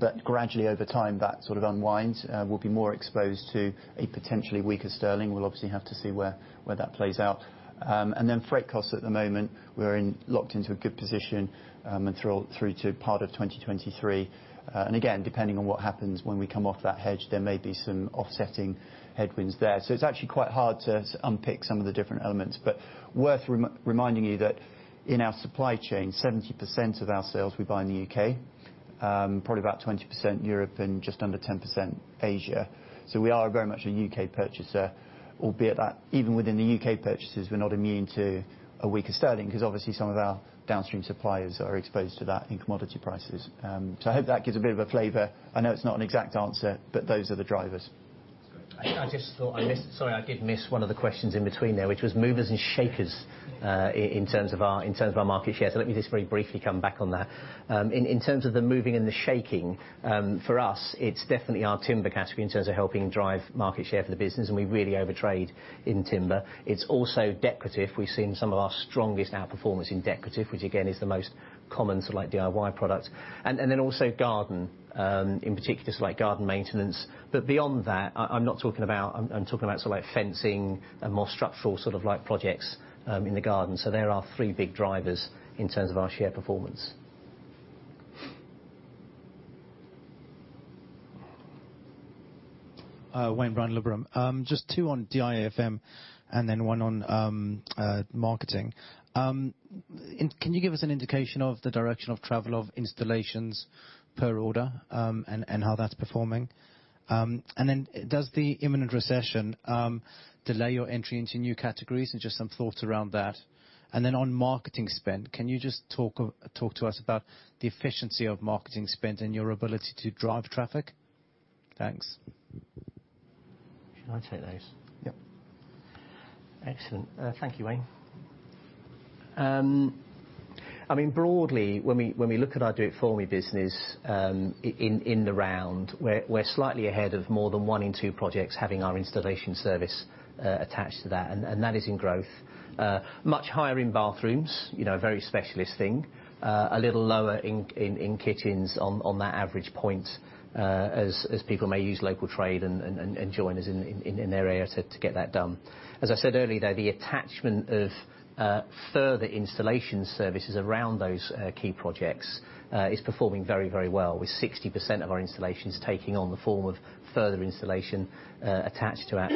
but gradually over time, that sort of unwinds. We'll be more exposed to a potentially weaker sterling. We'll obviously have to see where that plays out. Then freight costs at the moment, we're locked into a good position, and through to part of 2023. Again, depending on what happens when we come off that hedge, there may be some offsetting headwinds there. It's actually quite hard to unpick some of the different elements, but worth reminding you that in our supply chain, 70% of our sales we buy in the U.K., probably about 20% Europe, and just under 10% Asia. We are very much a U.K. Purchaser, albeit at even within the U.K. purchases, we're not immune to a weaker sterling, 'cause obviously some of our downstream suppliers are exposed to that in commodity prices. I hope that gives a bit of a flavor. I know it's not an exact answer, but those are the drivers. I just thought I missed. Sorry, I did miss one of the questions in between there, which was movers and shakers, in terms of our market share. Let me just very briefly come back on that. In terms of the moving and the shaking, for us, it's definitely our timber category in terms of helping drive market share for the business, and we really overtrade in timber. It's also decorative. We've seen some of our strongest outperformance in decorative, which again, is the most common sort of like DIY product. Then also garden, in particular, so like garden maintenance. Beyond that, I'm talking about sort of like fencing and more structural sort of like projects, in the garden. There are our three big drivers in terms of our share performance. Wayne Brown, Liberum. Just two on DIFM and then one on marketing. Can you give us an indication of the direction of travel of installations per order, and how that's performing? Does the imminent recession delay your entry into new categories? Just some thoughts around that. On marketing spend, can you just talk to us about the efficiency of marketing spend and your ability to drive traffic? Thanks. Should I take those? Yep. Excellent. Thank you, Wayne. I mean broadly, when we look at our Do It For Me business, in the round, we're slightly ahead of more than one in two projects having our installation service attached to that, and that is in growth. Much higher in bathrooms, you know, a very specialist thing. A little lower in kitchens on that average point, as people may use local trade and joiners in their area to get that done. As I said earlier, though, the attachment of further installation services around those key projects is performing very well, with 60% of our installations taking on the form of further installation attached to that.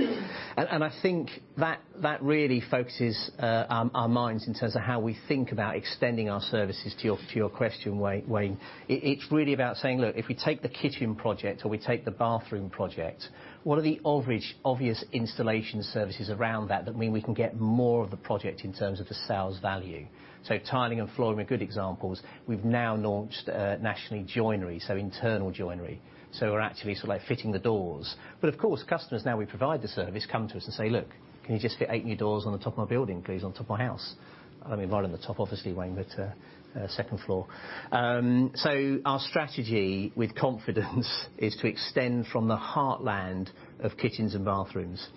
I think that really focuses our minds in terms of how we think about extending our services to your question, Wayne. It's really about saying, "Look, if we take the kitchen project or we take the bathroom project, what are the average obvious installation services around that that mean we can get more of the project in terms of the sales value?" Tiling and flooring are good examples. We've now launched nationally joinery, so internal joinery. We're actually sort of like fitting the doors. Of course, customers, now we provide the service, come to us and say, "Look, can you just fit eight new doors on the top of my building, please? On top of my house." I mean, but on the top, obviously, Wayne, but second floor. Our strategy with confidence is to extend from the heartland of kitchens and bathrooms.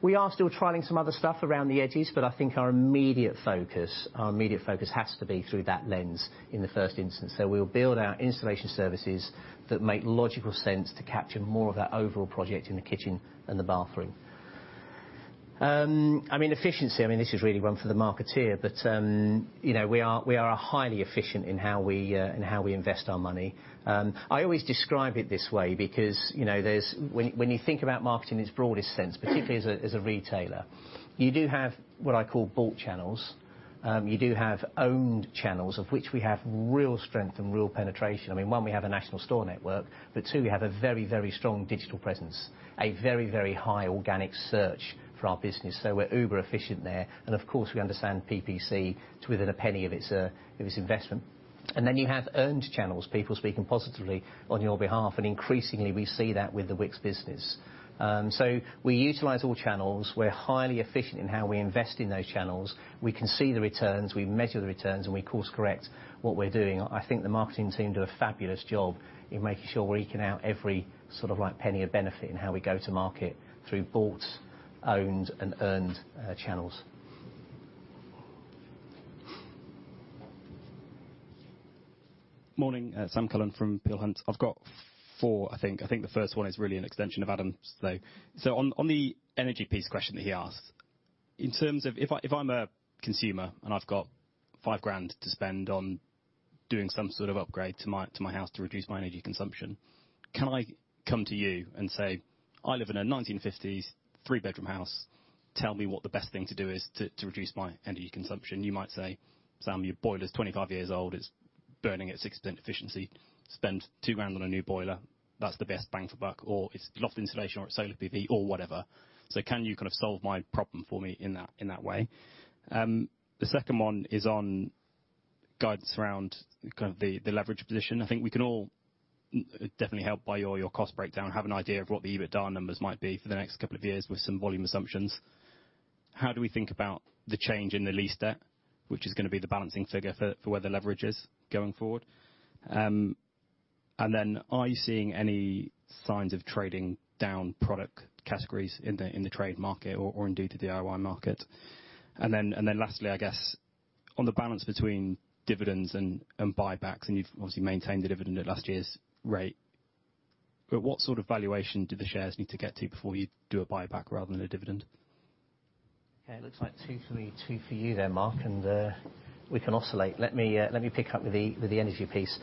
We are still trialing some other stuff around the edges, but I think our immediate focus has to be through that lens in the first instance. We'll build our installation services that make logical sense to capture more of that overall project in the kitchen and the bathroom. I mean, efficiency, I mean, this is really one for the marketeer, but, you know, we are a highly efficient in how we invest our money. I always describe it this way because, you know, there's, when you think about marketing in its broadest sense, particularly as a retailer, you do have what I call bought channels. You do have owned channels, of which we have real strength and real penetration. I mean, one, we have a national store network, but two, we have a very, very strong digital presence. A very, very high organic search for our business. We're Uber efficient there, and of course, we understand PPC to within a penny of its, of its investment. Then you have earned channels, people speaking positively on your behalf, and increasingly we see that with the Wickes business. We utilize all channels. We're highly efficient in how we invest in those channels. We can see the returns, we measure the returns, and we course correct what we're doing. I think the marketing team do a fabulous job in making sure we're eking out every sort of like penny of benefit in how we go to market through bought, owned, and earned channels. Morning. Sam Cullen from Peel Hunt. I've got four, I think. I think the first one is really an extension of Adam's, though. On the energy piece question that he asked, in terms of if I'm a consumer and I've got £5,000 to spend on doing some sort of upgrade to my house to reduce my energy consumption, can I come to you and say, "I live in a 1950s, three-bedroom house. Tell me what the best thing to do is to reduce my energy consumption." You might say, "Sam, your boiler's 25 years old. It's burning at 6% efficiency. Spend £2,000 on a new boiler. That's the best bang for buck." Or it's loft insulation or it's solar PV or whatever. Can you kind of solve my problem for me in that way? The second one is on guidance around kind of the leverage position. I think we can all definitely helped by your cost breakdown, have an idea of what the EBITDA numbers might be for the next couple of years with some volume assumptions. How do we think about the change in the lease debt, which is gonna be the balancing figure for where the leverage is going forward? Are you seeing any signs of trading down product categories in the trade market or indeed the DIY market? Lastly, I guess On the balance between dividends and buybacks, and you've obviously maintained the dividend at last year's rate. What sort of valuation do the shares need to get to before you'd do a buyback rather than a dividend? Okay, it looks like two for me, two for you there, Mark, and we can oscillate. Let me pick up with the energy piece.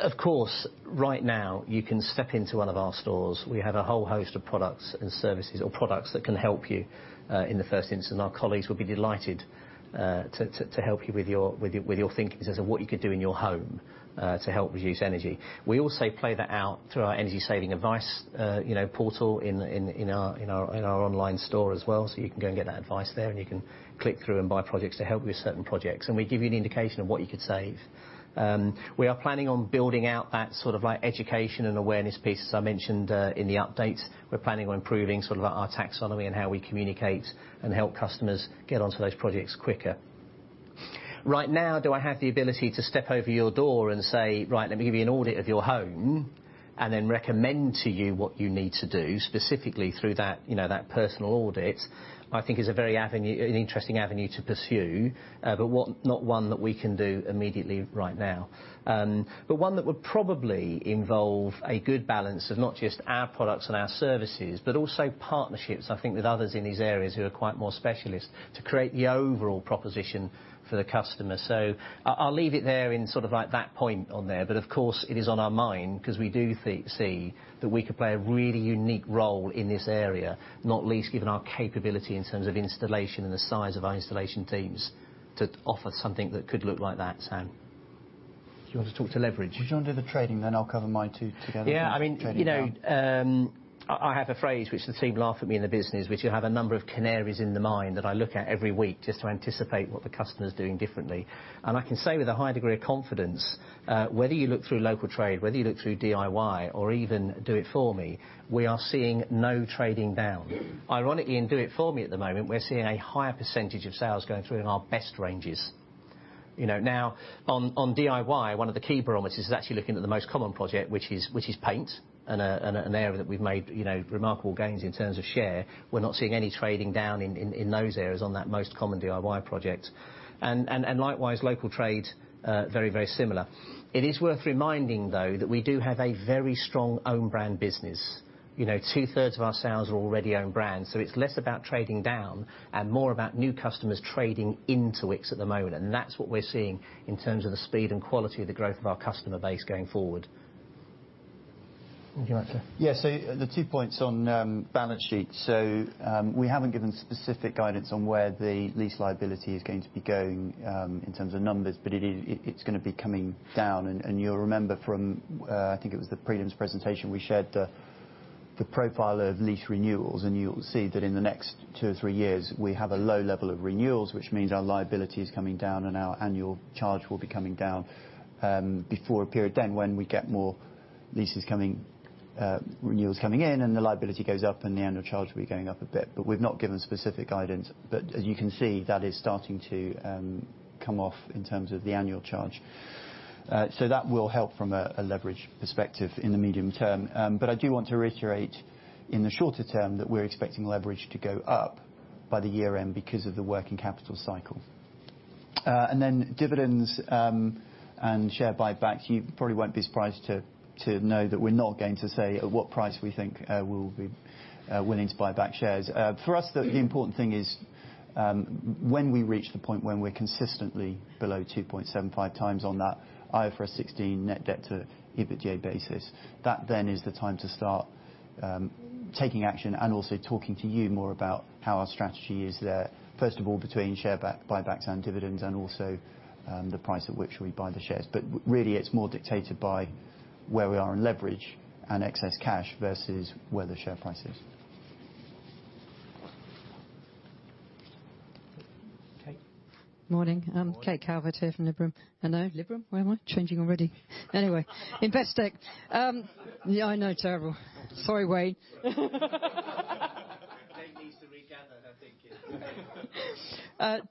Of course, right now, you can step into one of our stores. We have a whole host of products and services or products that can help you in the first instance, and our colleagues will be delighted to help you with your thinking as to what you could do in your home to help reduce energy. We also play that out through our energy saving advice, you know, portal in our online store as well, so you can go and get that advice there, and you can click through and buy products to help with certain projects. We give you an indication of what you could save. We are planning on building out that sort of like education and awareness piece, as I mentioned, in the update. We're planning on improving sort of our taxonomy and how we communicate and help customers get onto those projects quicker. Right now, do I have the ability to step over your door and say, right, let me give you an audit of your home and then recommend to you what you need to do specifically through that, you know, that personal audit, I think is a very interesting avenue to pursue, but not one that we can do immediately right now. One that would probably involve a good balance of not just our products and our services, but also partnerships, I think, with others in these areas who are quite more specialist to create the overall proposition for the customer. I'll leave it there in sort of like that point on there. Of course, it is on our mind 'cause we do see that we could play a really unique role in this area, not least given our capability in terms of installation and the size of our installation teams to offer something that could look like that, Sam. Do you want to talk to leverage? Do you wanna do the trading then? I'll cover my two together. Yeah. I mean. Trading down You know, I have a phrase which the team laugh at me in the business, which you have a number of canaries in the mine that I look at every week just to anticipate what the customer's doing differently. I can say with a high degree of confidence, whether you look through local trade, whether you look through DIY or even Do It For Me, we are seeing no trading down. Ironically, in Do It For Me at the moment, we're seeing a higher percentage of sales going through in our best ranges. You know, now on DIY, one of the key barometers is actually looking at the most common project, which is paint, and an area that we've made remarkable gains in terms of share. We're not seeing any trading down in those areas on that most common DIY project. Likewise, local trade very similar. It is worth reminding though, that we do have a very strong own brand business. You know, two-thirds of our sales are already own brand, so it's less about trading down and more about new customers trading into Wickes at the moment, and that's what we're seeing in terms of the speed and quality of the growth of our customer base going forward. The two points on balance sheet. We haven't given specific guidance on where the lease liability is going to be going in terms of numbers, but it is, it's gonna be coming down. You'll remember from I think it was the prelims presentation, we shared the profile of lease renewals, and you'll see that in the next two or three years, we have a low level of renewals, which means our liability is coming down, and our annual charge will be coming down before a period then when we get more lease renewals coming in, and the liability goes up and the annual charge will be going up a bit. We've not given specific guidance. As you can see, that is starting to come off in terms of the annual charge. So that will help from a leverage perspective in the medium term. I do want to reiterate in the shorter term that we're expecting leverage to go up by the year end because of the working capital cycle. Then dividends and share buybacks. You probably won't be surprised to know that we're not going to say at what price we think we'll be willing to buy back shares. For us, the important thing is when we reach the point when we're consistently below 2.75x on that IFRS 16 Net Debt to EBITDA basis, that then is the time to start taking action and also talking to you more about how our strategy is there, first of all, between share buybacks and dividends and also the price at which we buy the shares. Really, it's more dictated by where we are in leverage and excess cash versus where the share price is. Kate? Morning. Morning. I'm Kate Calvert here from Liberum. Hello. Liberum? Where am I? Changing already. Anyway, Investec. Yeah, I know, terrible. Sorry, Wayne. Kate needs to regather, I think.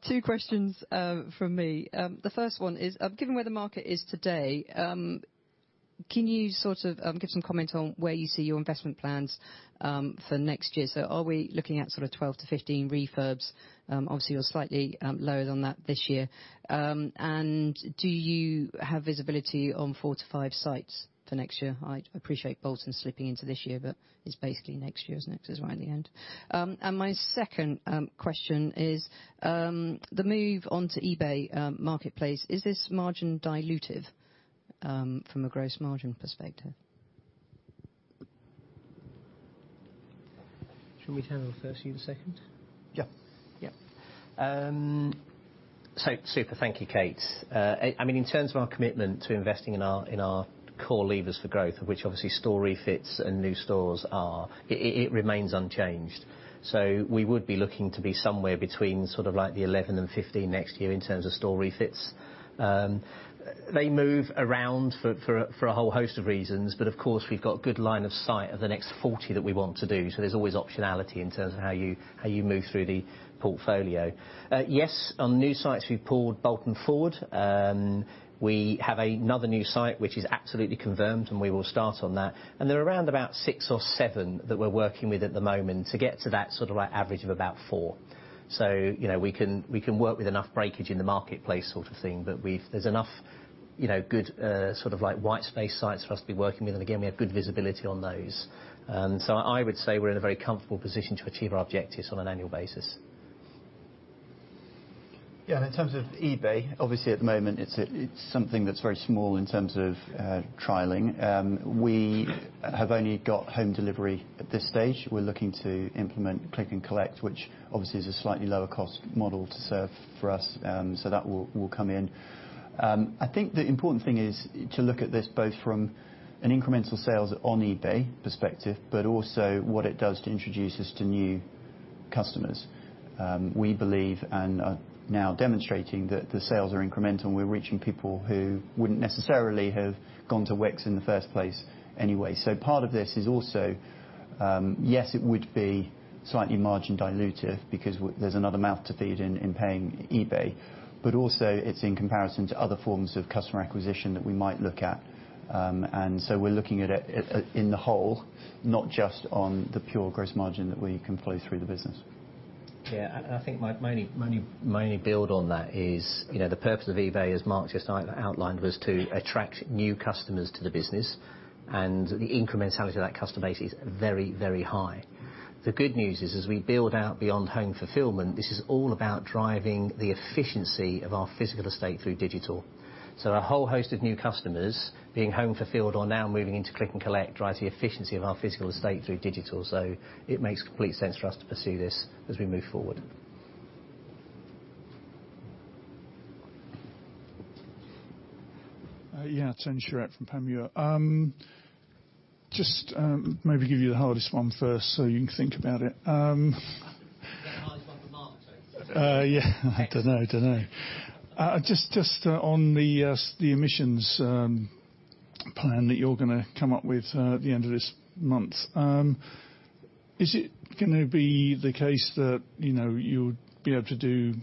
Two questions from me. The first one is, given where the market is today, can you sort of give some comment on where you see your investment plans for next year? Are we looking at sort of 12-15 refurbs? Obviously you're slightly lower than that this year. Do you have visibility on four-five sites for next year? I appreciate Bolton slipping into this year, but it's basically next year's next is right in the end. My second question is, the move onto eBay marketplace, is this margin dilutive from a gross margin perspective? Should we take the first, you the second? Yeah. Yeah. Super thank you, Kate. I mean, in terms of our commitment to investing in our core levers for growth, of which obviously store refits and new stores are, it remains unchanged. We would be looking to be somewhere between sort of like 11 and 15 next year in terms of store refits. They move around for a whole host of reasons, but of course we've got good line of sight of the next 40 that we want to do. There's always optionality in terms of how you move through the portfolio. Yes, on new sites, we pulled Bolton forward. We have another new site, which is absolutely confirmed, and we will start on that. There are around about six or seven that we're working with at the moment to get to that sort of like average of about four. You know, we can work with enough breakage in the marketplace sort of thing, but there's enough, you know, good, sort of like white space sites for us to be working with. We have good visibility on those. I would say we're in a very comfortable position to achieve our objectives on an annual basis. Yeah, in terms of eBay, obviously at the moment, it's something that's very small in terms of trialing. We have only got home delivery at this stage. We're looking to implement Click & Collect, which obviously is a slightly lower cost model to serve for us. That will come in. I think the important thing is to look at this both from an incremental sales on eBay perspective, but also what it does to introduce us to new customers. We believe and are now demonstrating that the sales are incremental, and we're reaching people who wouldn't necessarily have gone to Wickes in the first place anyway. Part of this is also yes, it would be slightly margin dilutive because there's another mouth to feed in paying eBay. Also it's in comparison to other forms of customer acquisition that we might look at. We're looking at it in the whole, not just on the pure gross margin that we can flow through the business. Yeah. I think my only build on that is, you know, the purpose of eBay, as Mark just outlined, was to attract new customers to the business. The incrementality of that customer base is very, very high. The good news is, as we build out beyond home fulfillment, this is all about driving the efficiency of our physical estate through digital. A whole host of new customers being home fulfilled or now moving into Click & Collect drives the efficiency of our physical estate through digital. It makes complete sense for us to pursue this as we move forward. Yeah. Tony Shiret from Panmure Gordon. Just, maybe give you the hardest one first so you can think about it. The hardest one for Mark. I don't know. Just on the emissions plan that you're gonna come up with at the end of this month. Is it gonna be the case that, you know, you'd be able to do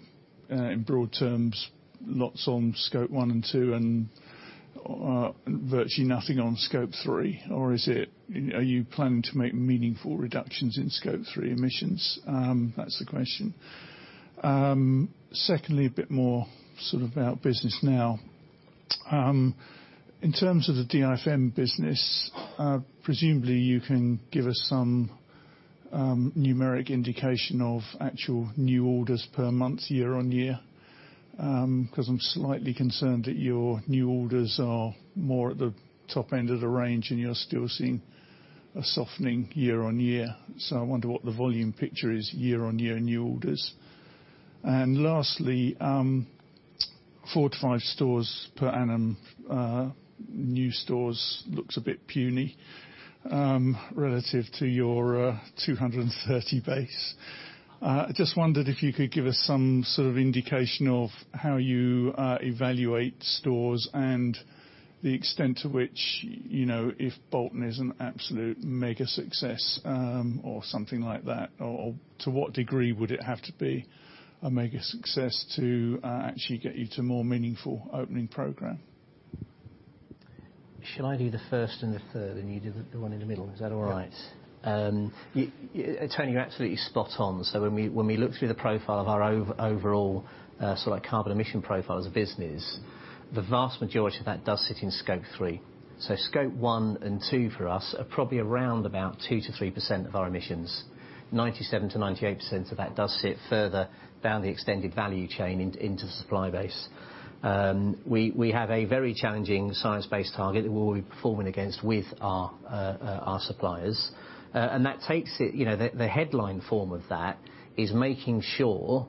in broad terms lots on Scope 1 and 2 and virtually nothing on Scope 3? Or are you planning to make meaningful reductions in Scope 3 emissions? That's the question. Secondly, a bit more sort of about business now. In terms of the DIFM business, presumably you can give us some numeric indication of actual new orders per month, year-on-year, 'cause I'm slightly concerned that your new orders are more at the top end of the range and you're still seeing a softening year-on-year. I wonder what the volume picture is year-on-year in new orders. Lastly, four-five stores per annum, new stores looks a bit puny, relative to your 230 base. I just wondered if you could give us some sort of indication of how you evaluate stores and the extent to which, you know, if Bolton is an absolute mega success, or something like that, or to what degree would it have to be a mega success to actually get you to more meaningful opening program? Shall I do the first and the third, and you do the one in the middle? Is that all right? Yeah, Tony, you're absolutely spot on. When we look through the profile of our overall sort of carbon emission profile as a business, the vast majority of that does sit in Scope 3. Scope 1 and 2 for us are probably around about 2%-3% of our emissions. 97%-98% of that does sit further down the extended value chain into the supply base. We have a very challenging science-based target that we'll be performing against with our suppliers. That takes it, you know, the headline form of that is making sure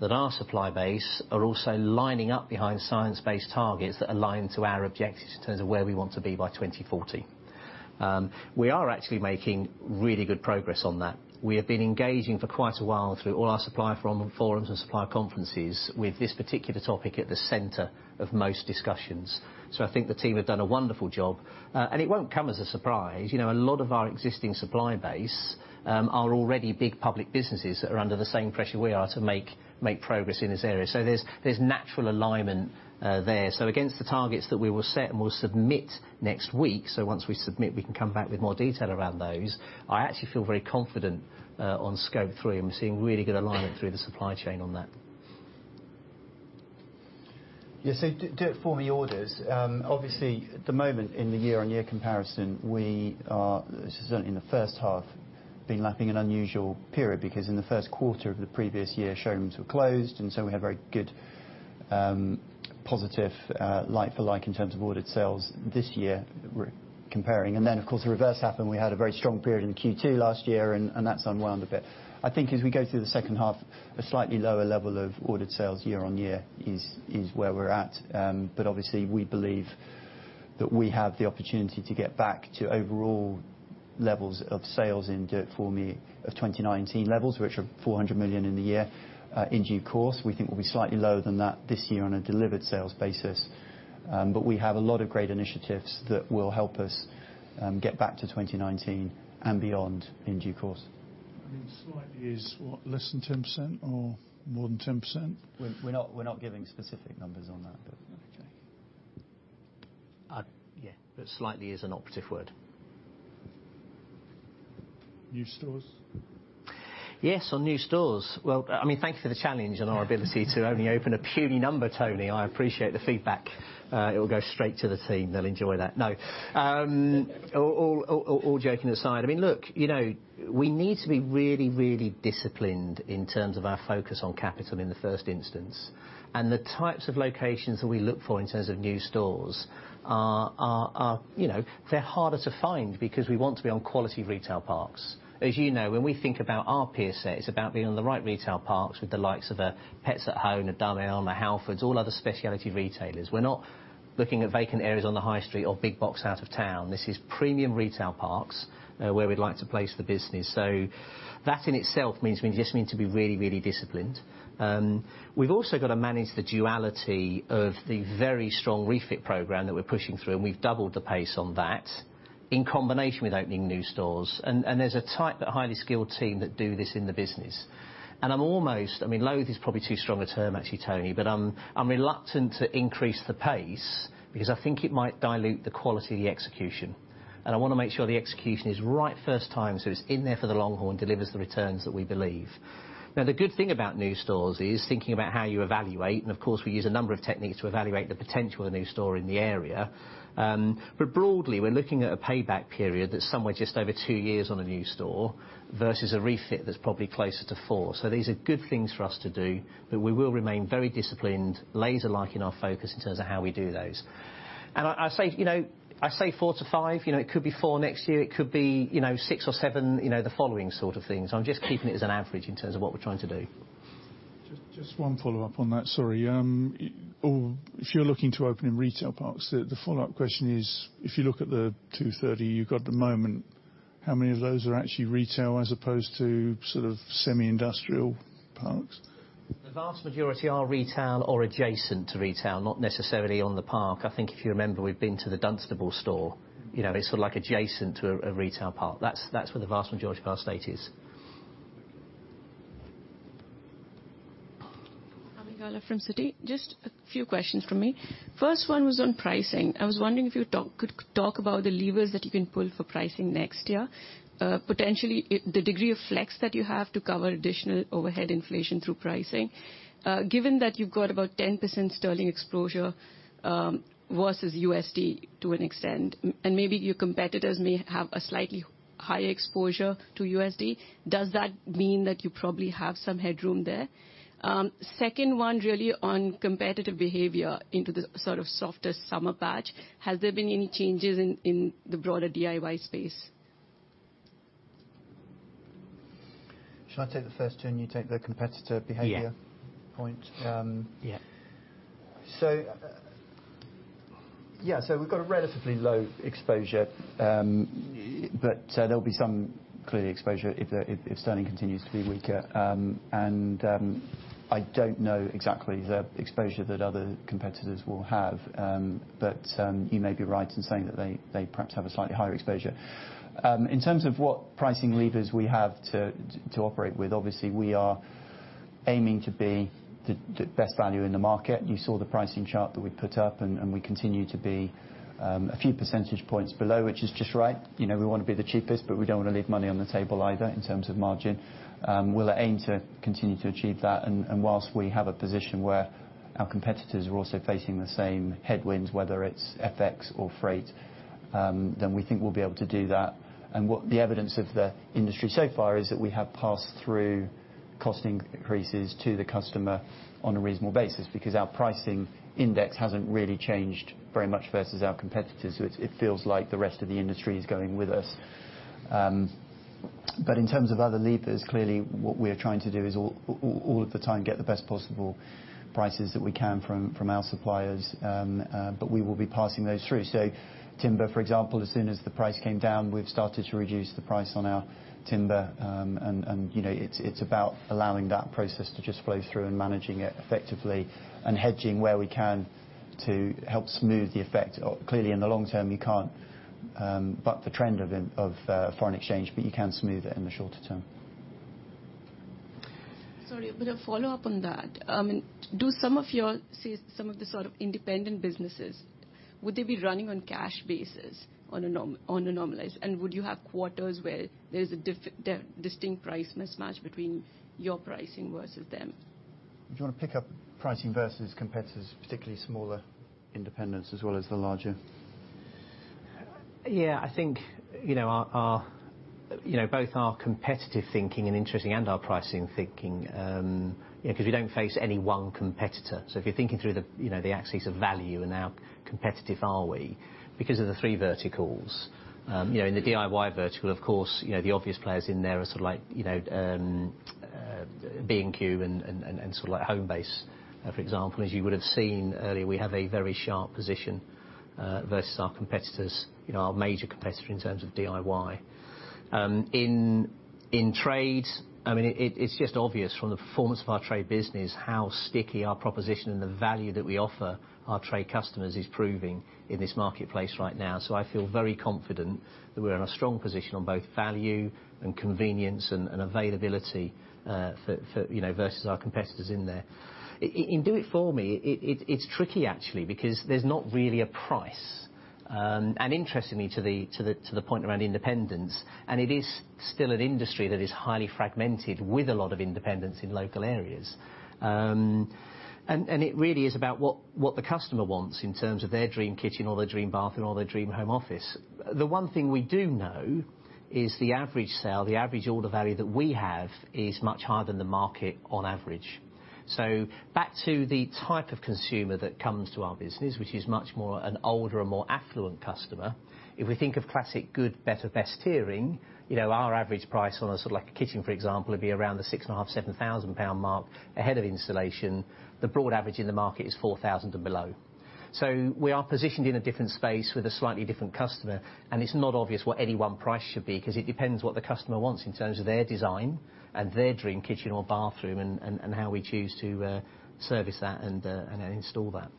that our supply base are also lining up behind science-based targets that align to our objectives in terms of where we want to be by 2040. We are actually making really good progress on that. We have been engaging for quite a while through all our supplier forums and supplier conferences with this particular topic at the center of most discussions. I think the team have done a wonderful job. It won't come as a surprise, you know, a lot of our existing supply base are already big public businesses that are under the same pressure we are to make progress in this area. There's natural alignment there. Against the targets that we will set and we'll submit next week, so once we submit, we can come back with more detail around those. I actually feel very confident on Scope 3, and we're seeing really good alignment through the supply chain on that. Yeah. Do It For Me orders. Obviously at the moment in the year-on-year comparison, we are certainly in the H1 been lapping an unusual period because in the Q1 of the previous year showrooms were closed, and so we had very good positive like-for-like in terms of ordered sales this year we're comparing. Then of course the reverse happened. We had a very strong period in Q2 last year, and that's unwound a bit. I think as we go through the H2 a slightly lower level of ordered sales year-on-year is where we're at. But obviously we believe that we have the opportunity to get back to overall levels of sales in Do It For Me of 2019 levels, which are 400 million in the year. In due course, we think we'll be slightly lower than that this year on a delivered sales basis. We have a lot of great initiatives that will help us get back to 2019 and beyond in due course. I mean, slightly is what? Less than 10% or more than 10%? We're not giving specific numbers on that, but okay. Yeah, slightly is an operative word. New stores? Yes, on new stores. Well, I mean, thank you for the challenge and our ability to only open a puny number, Tony. I appreciate the feedback. It will go straight to the team, they'll enjoy that. No. All joking aside, I mean, look, you know, we need to be really, really disciplined in terms of our focus on capital in the first instance. The types of locations that we look for in terms of new stores are, you know, they're harder to find because we want to be on quality retail parks. As you know, when we think about our peer set, it's about being on the right retail parks with the likes of a Pets at Home, a Dunelm, a Halfords, all other specialty retailers. We're not looking at vacant areas on the high street or big box out of town. This is premium retail parks where we'd like to place the business. That in itself means we just need to be really, really disciplined. We've also got to manage the duality of the very strong refit program that we're pushing through, and we've doubled the pace on that in combination with opening new stores. There's a tight but highly skilled team that do this in the business. I'm almost, I mean, loathe is probably too strong a term actually, Tony, but I'm reluctant to increase the pace because I think it might dilute the quality of the execution. I want to make sure the execution is right first time, so it's in there for the long haul and delivers the returns that we believe. Now, the good thing about new stores is thinking about how you evaluate, and of course we use a number of techniques to evaluate the potential of the new store in the area. Broadly, we're looking at a payback period that's somewhere just over two years on a new store versus a refit that's probably closer to four. These are good things for us to do, but we will remain very disciplined, laser-like in our focus in terms of how we do those. I say, you know, I say four-five, you know, it could be four next year. It could be, you know, six or seven, you know, the following sort of thing. I'm just keeping it as an average in terms of what we're trying to do. Just one follow-up on that. Sorry. If you're looking to open in retail parks, the follow-up question is, if you look at the 230 you've got at the moment, how many of those are actually retail as opposed to sort of semi-industrial parks? The vast majority are retail or adjacent to retail, not necessarily on the park. I think if you remember, we've been to the Dunstable store. You know, it's sort of like adjacent to a retail park. That's where the vast majority of our estate is. Abigail from Citi. Just a few questions from me. First one was on pricing. I was wondering if you could talk about the levers that you can pull for pricing next year. Potentially, the degree of flex that you have to cover additional overhead inflation through pricing. Given that you've got about 10% sterling exposure versus USD to an extent, and maybe your competitors may have a slightly higher exposure to USD, does that mean that you probably have some headroom there? Second one really on competitive behavior into the sort of softer summer patch. Has there been any changes in the broader DIY space? Shall I take the first two, and you take the competitor behavior? Yeah point? Yeah. We've got a relatively low exposure, but there'll be some clear exposure if sterling continues to be weaker. I don't know exactly the exposure that other competitors will have. You may be right in saying that they perhaps have a slightly higher exposure. In terms of what pricing levers we have to operate with, obviously, we are aiming to be the best value in the market. You saw the pricing chart that we put up, and we continue to be a few percentage points below, which is just right. You know, we want to be the cheapest, but we don't want to leave money on the table either in terms of margin. We'll aim to continue to achieve that. While we have a position where our competitors are also facing the same headwinds, whether it's FX or freight, then we think we'll be able to do that. What the evidence of the industry so far is that we have passed through costing increases to the customer on a reasonable basis because our pricing index hasn't really changed very much versus our competitors. It feels like the rest of the industry is going with us. In terms of other levers, clearly what we are trying to do is all of the time get the best possible prices that we can from our suppliers. We will be passing those through. Timber, for example, as soon as the price came down, we've started to reduce the price on our timber. You know, it's about allowing that process to just flow through and managing it effectively and hedging where we can to help smooth the effect. Clearly, in the long term, you can't buck the trend of foreign exchange, but you can smooth it in the shorter term. Sorry, a follow-up on that. Do some of your, say, some of the sort of independent businesses, would they be running on cash basis on a normalized? And would you have quarters where there's a distinct price mismatch between your pricing versus them? Do you want to pick up pricing versus competitors, particularly smaller independents as well as the larger? Yeah, I think you know both our competitive thinking and our pricing thinking you know 'cause we don't face any one competitor. If you're thinking through the you know the axes of value and how competitive are we because of the three verticals. You know in the DIY vertical of course you know the obvious players in there are sort of like you know B&Q and sort of like Homebase for example. As you would have seen earlier we have a very sharp position versus our competitors you know our major competitor in terms of DIY. In trade I mean it's just obvious from the performance of our trade business how sticky our proposition and the value that we offer our trade customers is proving in this marketplace right now. I feel very confident that we're in a strong position on both value and convenience and availability versus our competitors in there. In Do It For Me, it's tricky actually, because there's not really a price, and interestingly, to the point around independents, and it is still an industry that is highly fragmented with a lot of independents in local areas. It really is about what the customer wants in terms of their dream kitchen or their dream bathroom or their dream home office. The one thing we do know is the average sale, the average order value that we have is much higher than the market on average. Back to the type of consumer that comes to our business, which is much more an older and more affluent customer. If we think of classic good, better, best tiering, you know, our average price on a sort of like a kitchen, for example, would be around the 6,500-7,000 pound mark ahead of installation. The broad average in the market is 4,000 and below. We are positioned in a different space with a slightly different customer, and it's not obvious what any one price should be, 'cause it depends what the customer wants in terms of their design and their dream kitchen or bathroom and how we choose to service that and install that.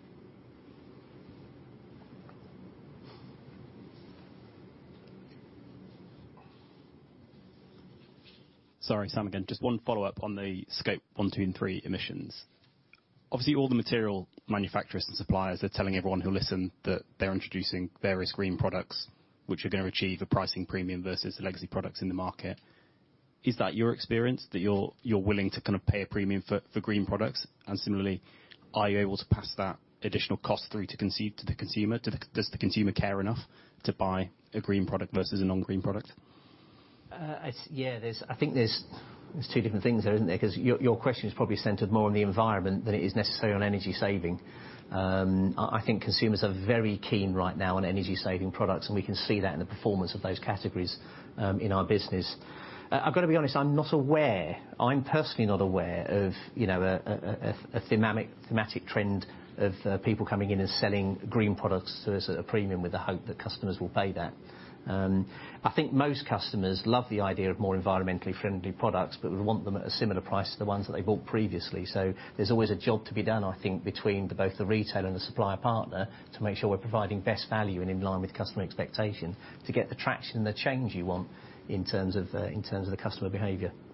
Sorry, Sam again. Just one follow-up on the Scope 1, 2, and 3 emissions. Obviously, all the material manufacturers and suppliers are telling everyone who'll listen that they're introducing various green products which are gonna achieve a pricing premium versus the legacy products in the market. Is that your experience that you're willing to kind of pay a premium for green products? Similarly, are you able to pass that additional cost through to the consumer? Does the consumer care enough to buy a green product versus a non-green product? I think there's two different things there, isn't there? Because your question is probably centered more on the environment than it is necessarily on energy saving. I think consumers are very keen right now on energy-saving products, and we can see that in the performance of those categories in our business. I've gotta be honest, I'm not aware. I'm personally not aware of, you know, a thematic trend of people coming in and selling green products as a premium with the hope that customers will pay that. I think most customers love the idea of more environmentally friendly products, but we want them at a similar price to the ones that they bought previously. There's always a job to be done, I think, between the both the retailer and the supplier partner to make sure we're providing best value and in line with customer expectation to get the traction and the change you want in terms of the customer behavior. Thanks.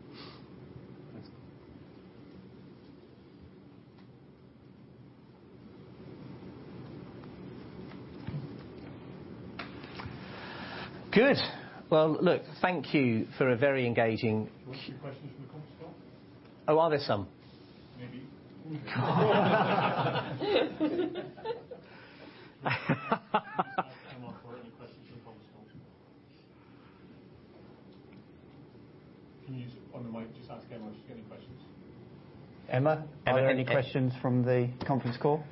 Good. Well, look, thank you for a very engaging. Do you want some questions from the conference call? Oh, are there some? Maybe. Just ask Emma for any questions from the conference call. Can you use, on the mic, just ask Emma if she's got any questions. Emma, are there any questions from the conference call?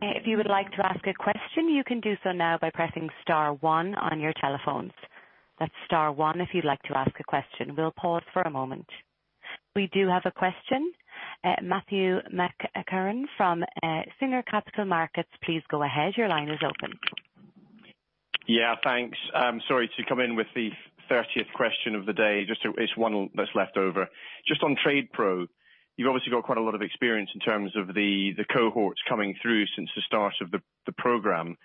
If you would like to ask a question, you can do so now by pressing star one on your telephones. That's star one if you'd like to ask a question. We'll pause for a moment. We do have a question. Matthew McEachran from Shore Capital Markets, please go ahead. Your line is open. Yeah, thanks. I'm sorry to come in with the 30th question of the day. It's one that's left over. Just on TradePro, you've obviously got quite a lot of experience in terms of the cohorts coming through since the start of the program.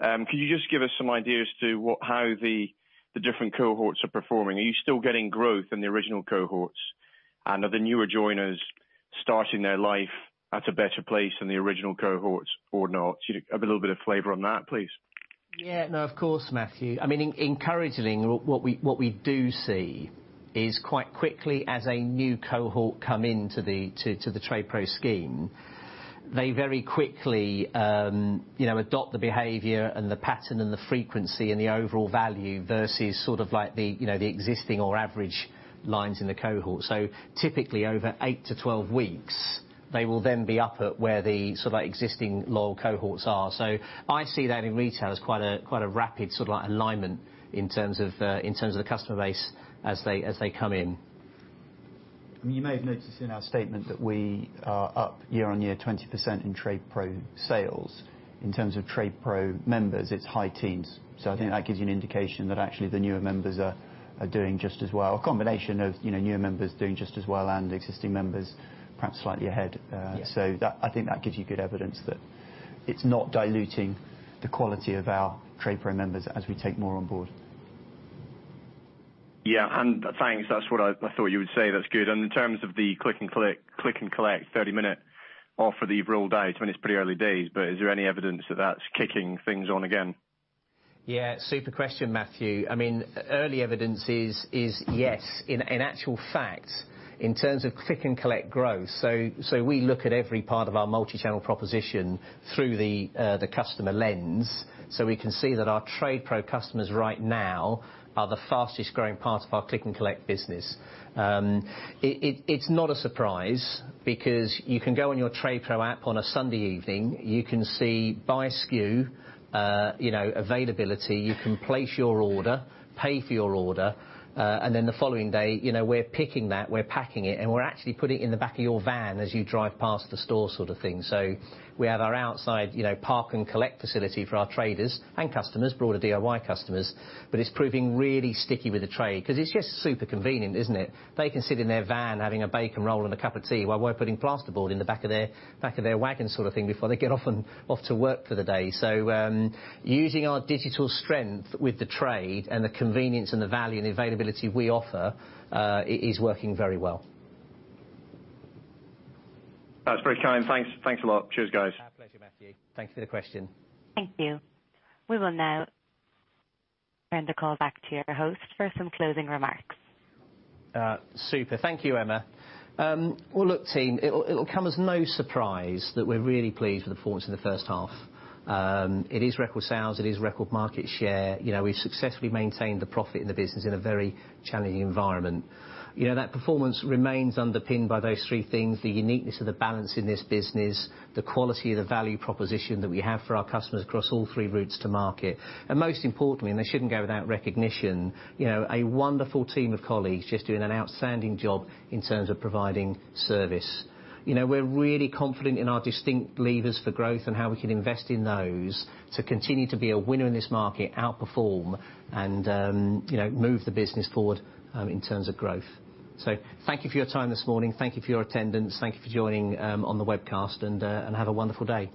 Can you just give us some idea as to what how the different cohorts are performing? Are you still getting growth in the original cohorts? Are the newer joiners starting their life at a better place than the original cohorts or not? A little bit of flavor on that, please. Yeah, no, of course, Matthew. I mean, encouraging, what we do see is quite quickly as a new cohort come into the TradePro scheme, they very quickly, you know, adopt the behavior and the pattern and the frequency and the overall value versus sort of like the, you know, the existing or average lines in the cohort. Typically, over eight to 12 weeks, they will then be up at where the sort of like existing loyal cohorts are. I see that in retail as quite a rapid sort of like alignment in terms of the customer base as they come in. I mean, you may have noticed in our statement that we are up year on year, 20% in TradePro sales. In terms of TradePro members, it's high teens. I think that gives you an indication that actually the newer members are doing just as well. A combination of, you know, newer members doing just as well and existing members perhaps slightly ahead. Yeah. That, I think that gives you good evidence that it's not diluting the quality of our TradePro members as we take more on board. Yeah, thanks. That's what I thought you would say. That's good. In terms of the Click & Collect 30-minute offer that you've rolled out, I mean, it's pretty early days, but is there any evidence that that's kicking things on again? Yeah, super question, Matthew. I mean, early evidence is yes. In actual fact, in terms of Click & Collect growth, we look at every part of our multi-channel proposition through the customer lens. So we can see that our TradePro customers right now are the fastest-growing part of our Click & Collect business. It's not a surprise because you can go on your TradePro app on a Sunday evening. You can see by SKU, you know, availability. You can place your order, pay for your order, and then the following day, you know, we're picking that, we're packing it, and we're actually putting it in the back of your van as you drive past the store sort of thing. We have our outside, you know, Click & Collect facility for our traders and customers, broader DIY customers, but it's proving really sticky with the trade 'cause it's just super convenient, isn't it? They can sit in their van having a bacon roll and a cup of tea while we're putting plasterboard in the back of their wagon sort of thing before they get off to work for the day. Using our digital strength with the trade and the convenience and the value and the availability we offer is working very well. That's very kind. Thanks. Thanks a lot. Cheers, guys. Our pleasure, Matthew. Thanks for the question. Thank you. We will now turn the call back to your host for some closing remarks. Super. Thank you, Emma. Well, look, team, it'll come as no surprise that we're really pleased with the performance in the H1. It is record sales. It is record market share. You know, we've successfully maintained the profit in the business in a very challenging environment. You know, that performance remains underpinned by those three things, the uniqueness of the balance in this business, the quality of the value proposition that we have for our customers across all three routes to market, and most importantly, and they shouldn't go without recognition, you know, a wonderful team of colleagues just doing an outstanding job in terms of providing service. You know, we're really confident in our distinct levers for growth and how we can invest in those to continue to be a winner in this market, outperform, and, you know, move the business forward, in terms of growth. Thank you for your time this morning. Thank you for your attendance. Thank you for joining on the webcast and have a wonderful day.